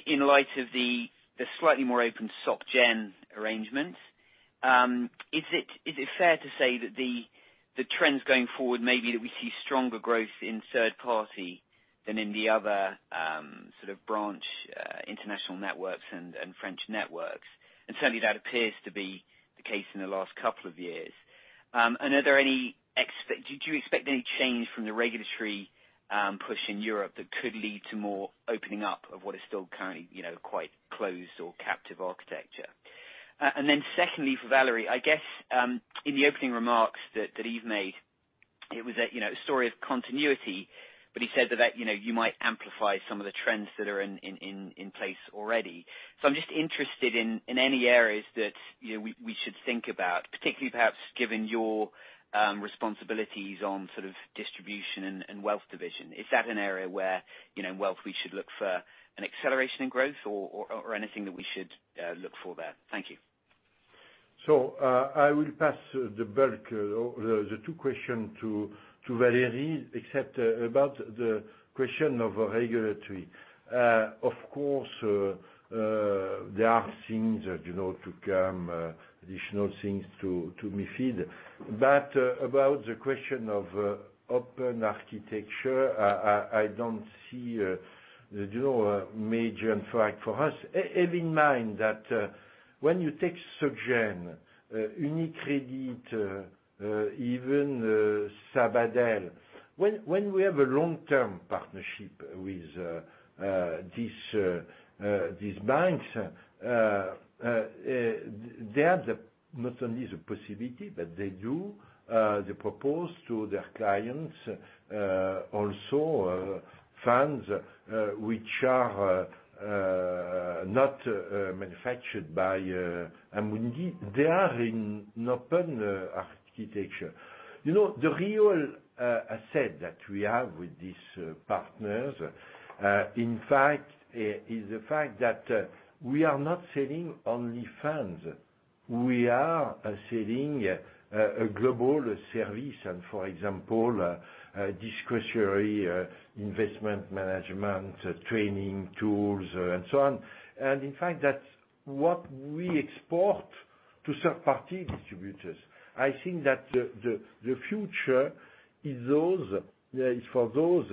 in light of the slightly more open SocGen arrangements, is it fair to say that the trends going forward may be that we see stronger growth in third party than in the other sort of branch, international networks, and French networks? Certainly, that appears to be the case in the last couple of years. Do you expect any change from the regulatory push in Europe that could lead to more opening up of what is still currently quite closed or captive architecture? Secondly, for Valérie, I guess, in the opening remarks that Yves made, it was a story of continuity, but he said that you might amplify some of the trends that are in place already. I'm just interested in any areas that we should think about, particularly perhaps given your responsibilities on sort of distribution and wealth division. Is that an area where, in wealth, we should look for an acceleration in growth or anything that we should look for there? Thank you. I will pass the bulk of the two questions to Valérie, except about the question of regulatory. Of course, there are things to come, additional things to Markets in Financial Instruments Directive. About the question of open architecture, I don't see a major impact for us. Have in mind that when you take SocGen, UniCredit, even Sabadell, when we have a long-term partnership with these banks, they have not only the possibility, but they do, they propose to their clients also funds which are not manufactured by Amundi. They are in open architecture. The real asset that we have with these partners, in fact, is the fact that we are not selling only funds. We are selling a global service and, for example, discretionary investment management, training tools, and so on. In fact, that's what we export to third-party distributors. I think that the future is for those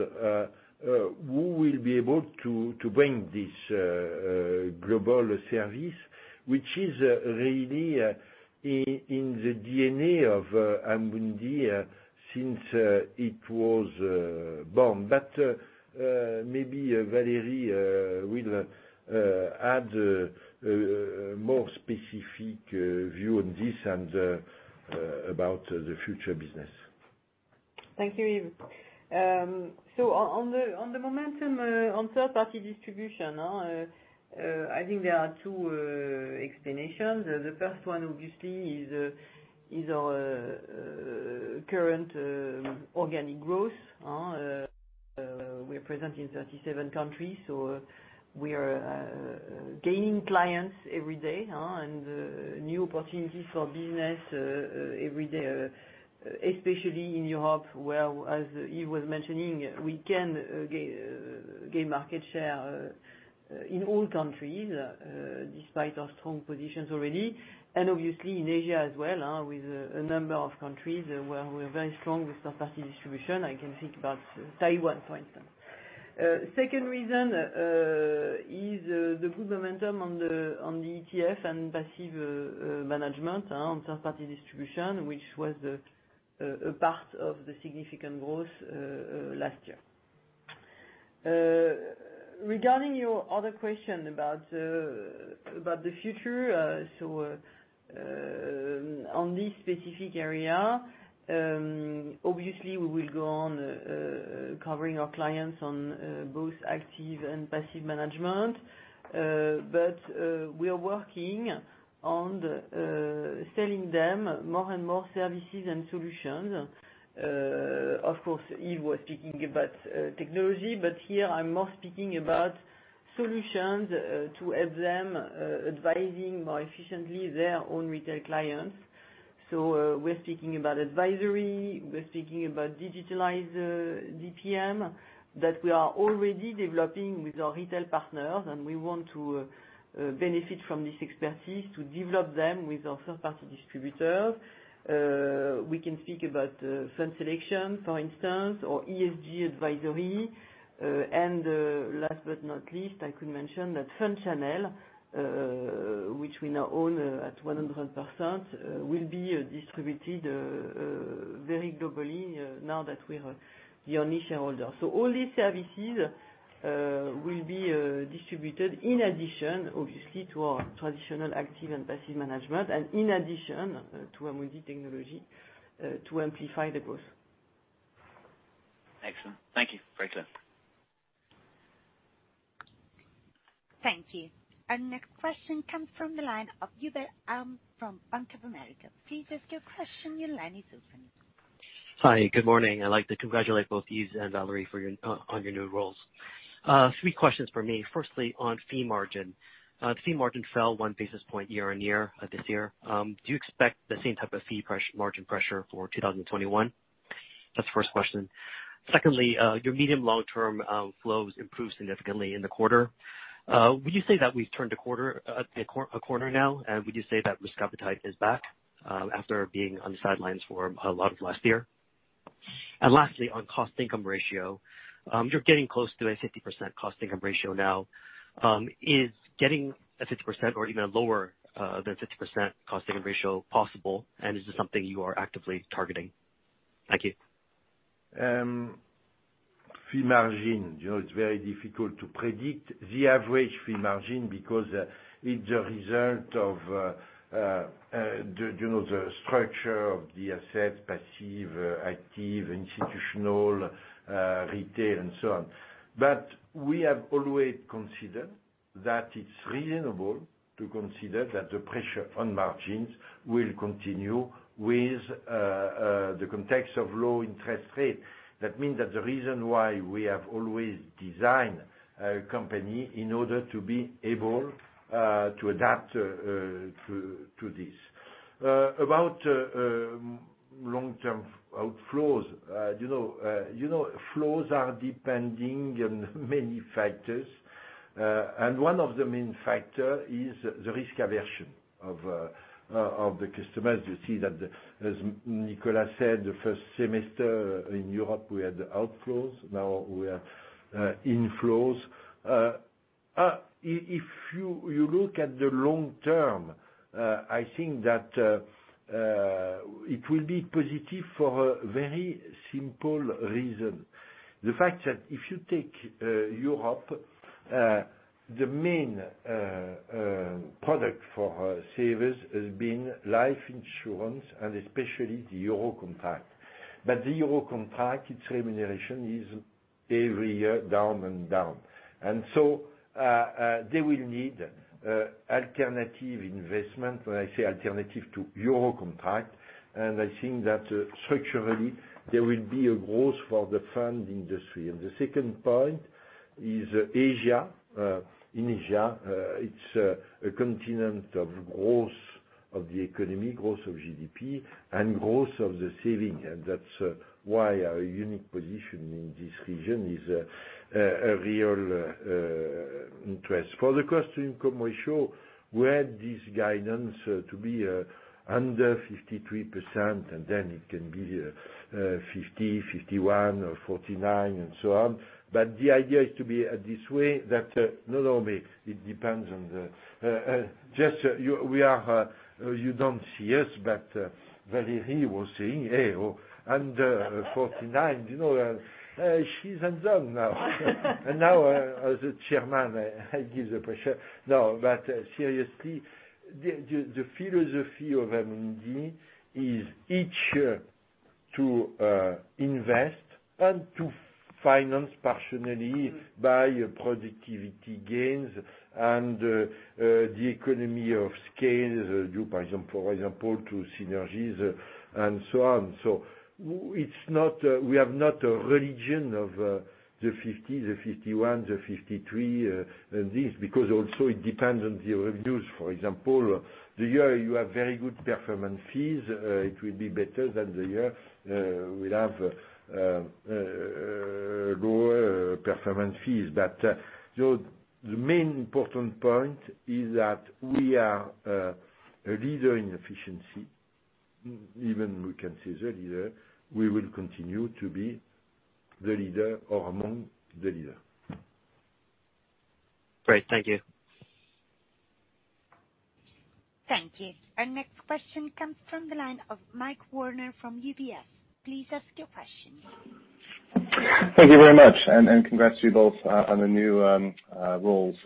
who will be able to bring this global service, which is really in the DNA of Amundi since it was born. Maybe Valérie will add a more specific view on this and about the future business. Thank you, Yves. On the momentum on third-party distribution, I think there are two explanations. The first one, obviously, is our current organic growth. We are present in 37 countries, so we are gaining clients every day, and new opportunities for business every day, especially in Europe, where, as Yves was mentioning, we can gain market share in all countries, despite our strong positions already. Obviously, in Asia as well, with a number of countries where we're very strong with third-party distribution. I can think about Taiwan, for instance. Second reason is the good momentum on the ETF and passive management on third-party distribution, which was a part of the significant growth last year. Regarding your other question about the future, so, on this specific area, obviously we will go on covering our clients on both active and passive management. We are working on selling them more and more services and solutions. Of course, Yves was speaking about technology, but here I'm more speaking about. solutions to help them advising more efficiently their own retail clients. We're speaking about advisory, we're speaking about digitalized Discretionary Portfolio Management, that we are already developing with our retail partners, and we want to benefit from this expertise to develop them with our third-party distributor. We can speak about fund selection, for instance, or ESG advisory. Last but not least, I could mention that Fund Channel, which we now own at 100%, will be distributed very globally now that we're the only shareholder. All these services will be distributed in addition, obviously, to our traditional active and passive management and in addition to Amundi Technology to amplify the growth. Excellent. Thank you. Very clear. Thank you. Our next question comes from the line of Hubert Lam, from Bank of America. Please ask your question, your line is open. Hi, good morning. I'd like to congratulate both Yves and Valérie on your new roles. Three questions from me. Firstly, on fee margin. Fee margin fell one basis point year-on-year this year. Do you expect the same type of fee margin pressure for 2021? That's the first question. Secondly, your medium long-term flows improved significantly in the quarter. Would you say that we've turned a corner now, and would you say that risk appetite is back after being on the sidelines for a lot of last year? Lastly, on cost-income ratio. You're getting close to a 50% cost-income ratio now. Is getting a 50% or even a lower than 50% cost-income ratio possible, and is this something you are actively targeting? Thank you. Fee margin, it's very difficult to predict the average fee margin because it's a result of the structure of the asset, passive, active, institutional, retail, and so on. We have always considered that it's reasonable to consider that the pressure on margins will continue with the context of low interest rate. That means that the reason why we have always designed a company in order to be able to adapt to this. About long-term outflows. Flows are depending on many factors. One of the main factor is the risk aversion of the customers. You see that, as Nicolas said, the first semester in Europe, we had the outflows. Now we have inflows. If you look at the long term, I think that it will be positive for a very simple reason. The fact that if you take Europe, the main product for savers has been life insurance and especially the Euro contract. The Euro contract, its remuneration is every year down and down. They will need alternative investment, when I say alternative to Euro contract, and I think that structurally, there will be a growth for the fund industry. The second point is Asia. In Asia, it's a continent of growth of the economy, growth of GDP, and growth of the saving. That's why our unique position in this region is a real interest. For the cost-income ratio, we had this guidance to be under 53%, it can be 50%, 51% or 49%, and so on. The idea is to be at this way that not only it depends on the Just, you don't see us, but Valérie was saying, "Hey, oh, under 49." She's <audio distortion> now. Now, as the Chairman, I give the pressure. Seriously, the philosophy of Amundi is each to invest and to finance partially by productivity gains and the economy of scale due, for example, to synergies and so on. We have not a religion of the 50, the 51, the 53, and this, because also it depends on the revenues. For example, the year you have very good performance fees, it will be better than the year we'll have lower performance fees. The main important point is that we are a leader in efficiency. Even we can say the leader. We will continue to be the leader or among the leader. Great. Thank you. Thank you. Our next question comes from the line of Mike Werner from UBS. Please ask your question. Thank you very much, and congrats to you both on the new roles.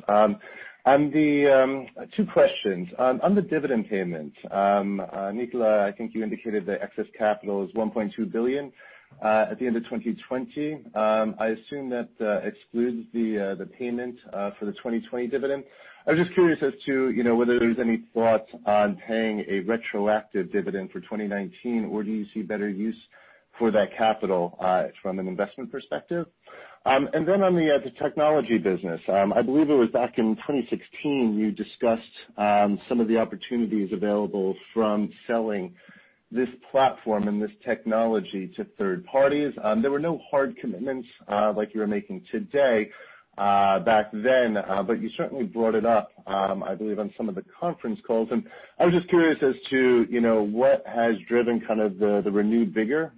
Two questions. On the dividend payment, Nicolas, I think you indicated that excess capital is 1.2 billion at the end of 2020. I assume that excludes the payment for the 2020 dividend. I was just curious as to whether there's any thoughts on paying a retroactive dividend for 2019, or do you see better use for that capital from an investment perspective? Then on the technology business, I believe it was back in 2016, you discussed some of the opportunities available from selling this platform and this technology to third parties. There were no hard commitments like you're making today back then, but you certainly brought it up, I believe, on some of the conference calls. I was just curious as to what has driven the renewed vigor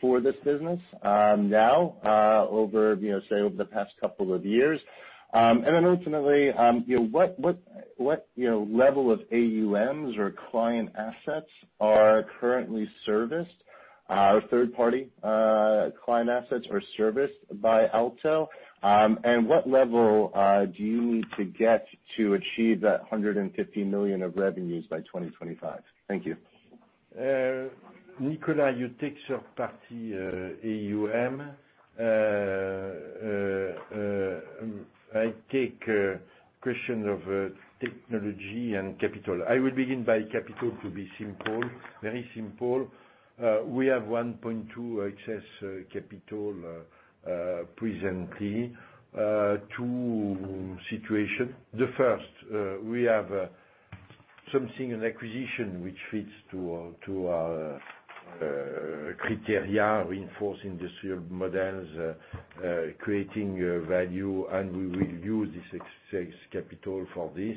for this business now, say, over the past couple of years. Ultimately, what level of AUMs or client assets are currently serviced, or third-party client assets are serviced by ALTO? What level do you need to get to achieve that 150 million of revenues by 2025? Thank you. Nicolas, you take third-party AUM. I take question of technology and capital. I will begin by capital to be simple. Very simple. We have 1.2 billion excess capital presently. Two situation. The first, we have something, an acquisition which fits to our criteria, reinforcing the three models, creating value, we will use this excess capital for this.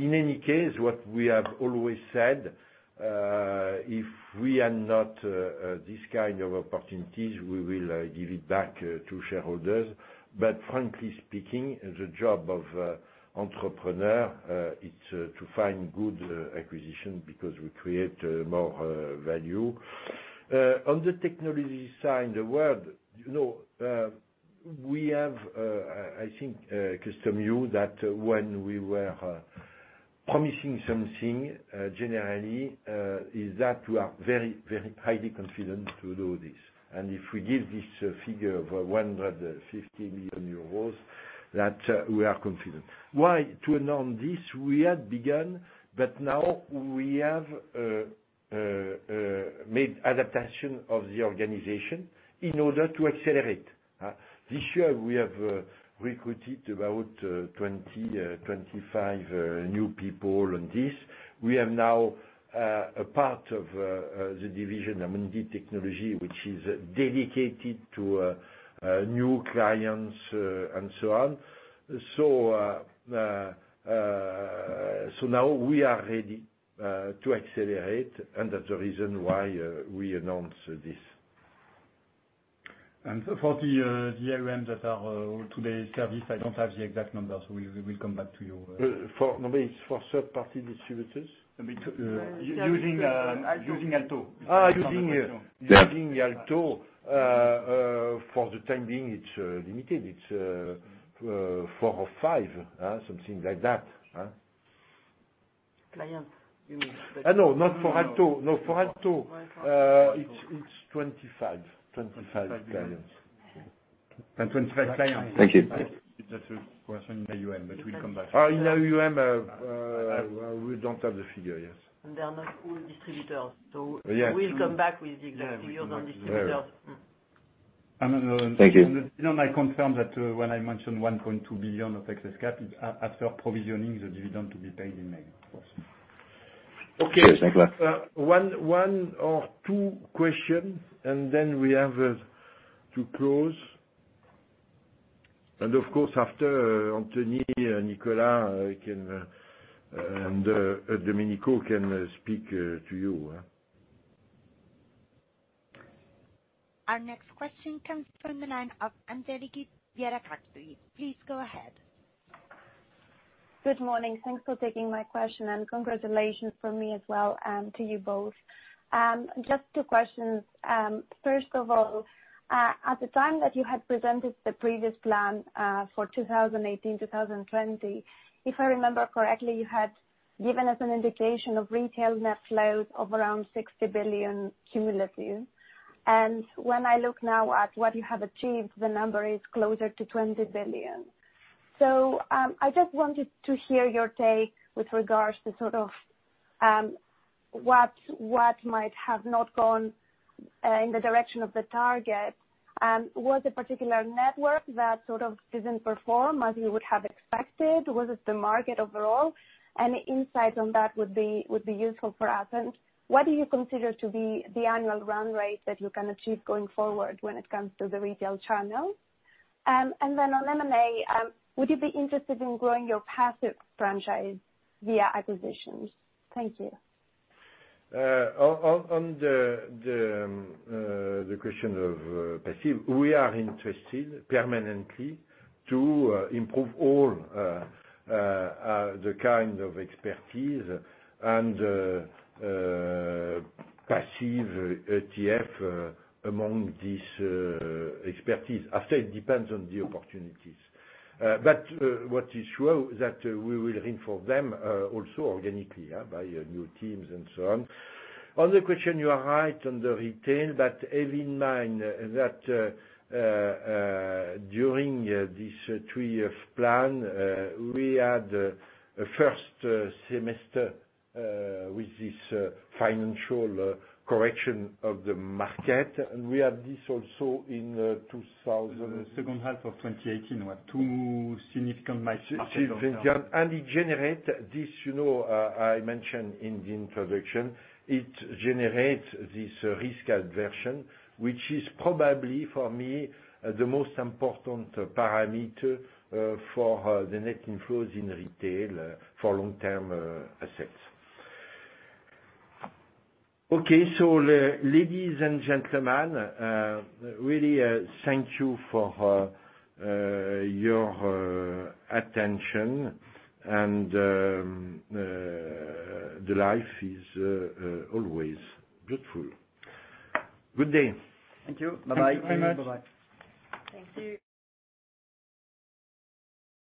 In any case, what we have always said, if we are not this kind of opportunities, we will give it back to shareholders. Frankly speaking, the job of entrepreneur, it's to find good acquisition because we create more value. On the technology side of world, we have, I think, custom build that when we were promising something, generally, is that we are very highly confident to do this. If we give this figure of 150 million euros, that we are confident. Why? To announce this, we had begun, but now we have made adaptation of the organization in order to accelerate. This year, we have recruited about 20, 25 new people on this. We are now a part of the division, Amundi Technology, which is dedicated to new clients and so on. Now we are ready to accelerate, and that's the reason why we announce this. For the AUM that are today serviced, I don't have the exact numbers. We will come back to you. For third-party distributors? Using ALTO. Using ALTO. For the time being, it's limited. It's four or five, something like that. Clients, you mean. No, not for ALTO. No, for ALTO, it's 25 clients. 25 clients. Thank you. That's a question in AUM, but we'll come back. In AUM, we don't have the figure, yes. They are not all distributors. Yes. We'll come back with the exact figures on distributors. Very well. Thank you. I confirm that when I mentioned 1.2 billion of excess cap, after provisioning the dividend to be paid in May. Okay. Yes, thank you. One or two questions, then we have to close. Of course, after Anthony, Nicolas, and Domenico can speak to you. Our next question comes from the line of Angeliki Bairaktari. Please go ahead. Good morning. Thanks for taking my question, and congratulations from me as well to you both. Just two questions. First of all, at the time that you had presented the previous plan for 2018 to 2020, if I remember correctly, you had given us an indication of retail net flows of around 60 billion cumulatively. When I look now at what you have achieved, the number is closer to 20 billion. I just wanted to hear your take with regards to sort of what might have not gone in the direction of the target. Was it a particular network that sort of didn't perform as you would have expected? Was it the market overall? Any insight on that would be useful for us. What do you consider to be the annual run rate that you can achieve going forward when it comes to the retail channel? On M&A, would you be interested in growing your passive franchise via acquisitions? Thank you. On the question of passive, we are interested permanently to improve all the kind of expertise and passive ETF among this expertise. After, it depends on the opportunities. What is sure, that we will reinforce them also organically by new teams and so on. On the question, you are right on the retail, but have in mind that during this three-year plan, we had a first semester with this financial correction of the market. We had this also in 2000. Second half of 2018, we had two significant market downturn. I mentioned in the introduction, it generates this risk aversion, which is probably, for me, the most important parameter for the net inflows in retail for long-term assets. Okay. Ladies and gentlemen, really thank you for your attention and the life is always beautiful. Good day. Thank you. Bye-bye. Thank you very much. Bye-bye. Thank you.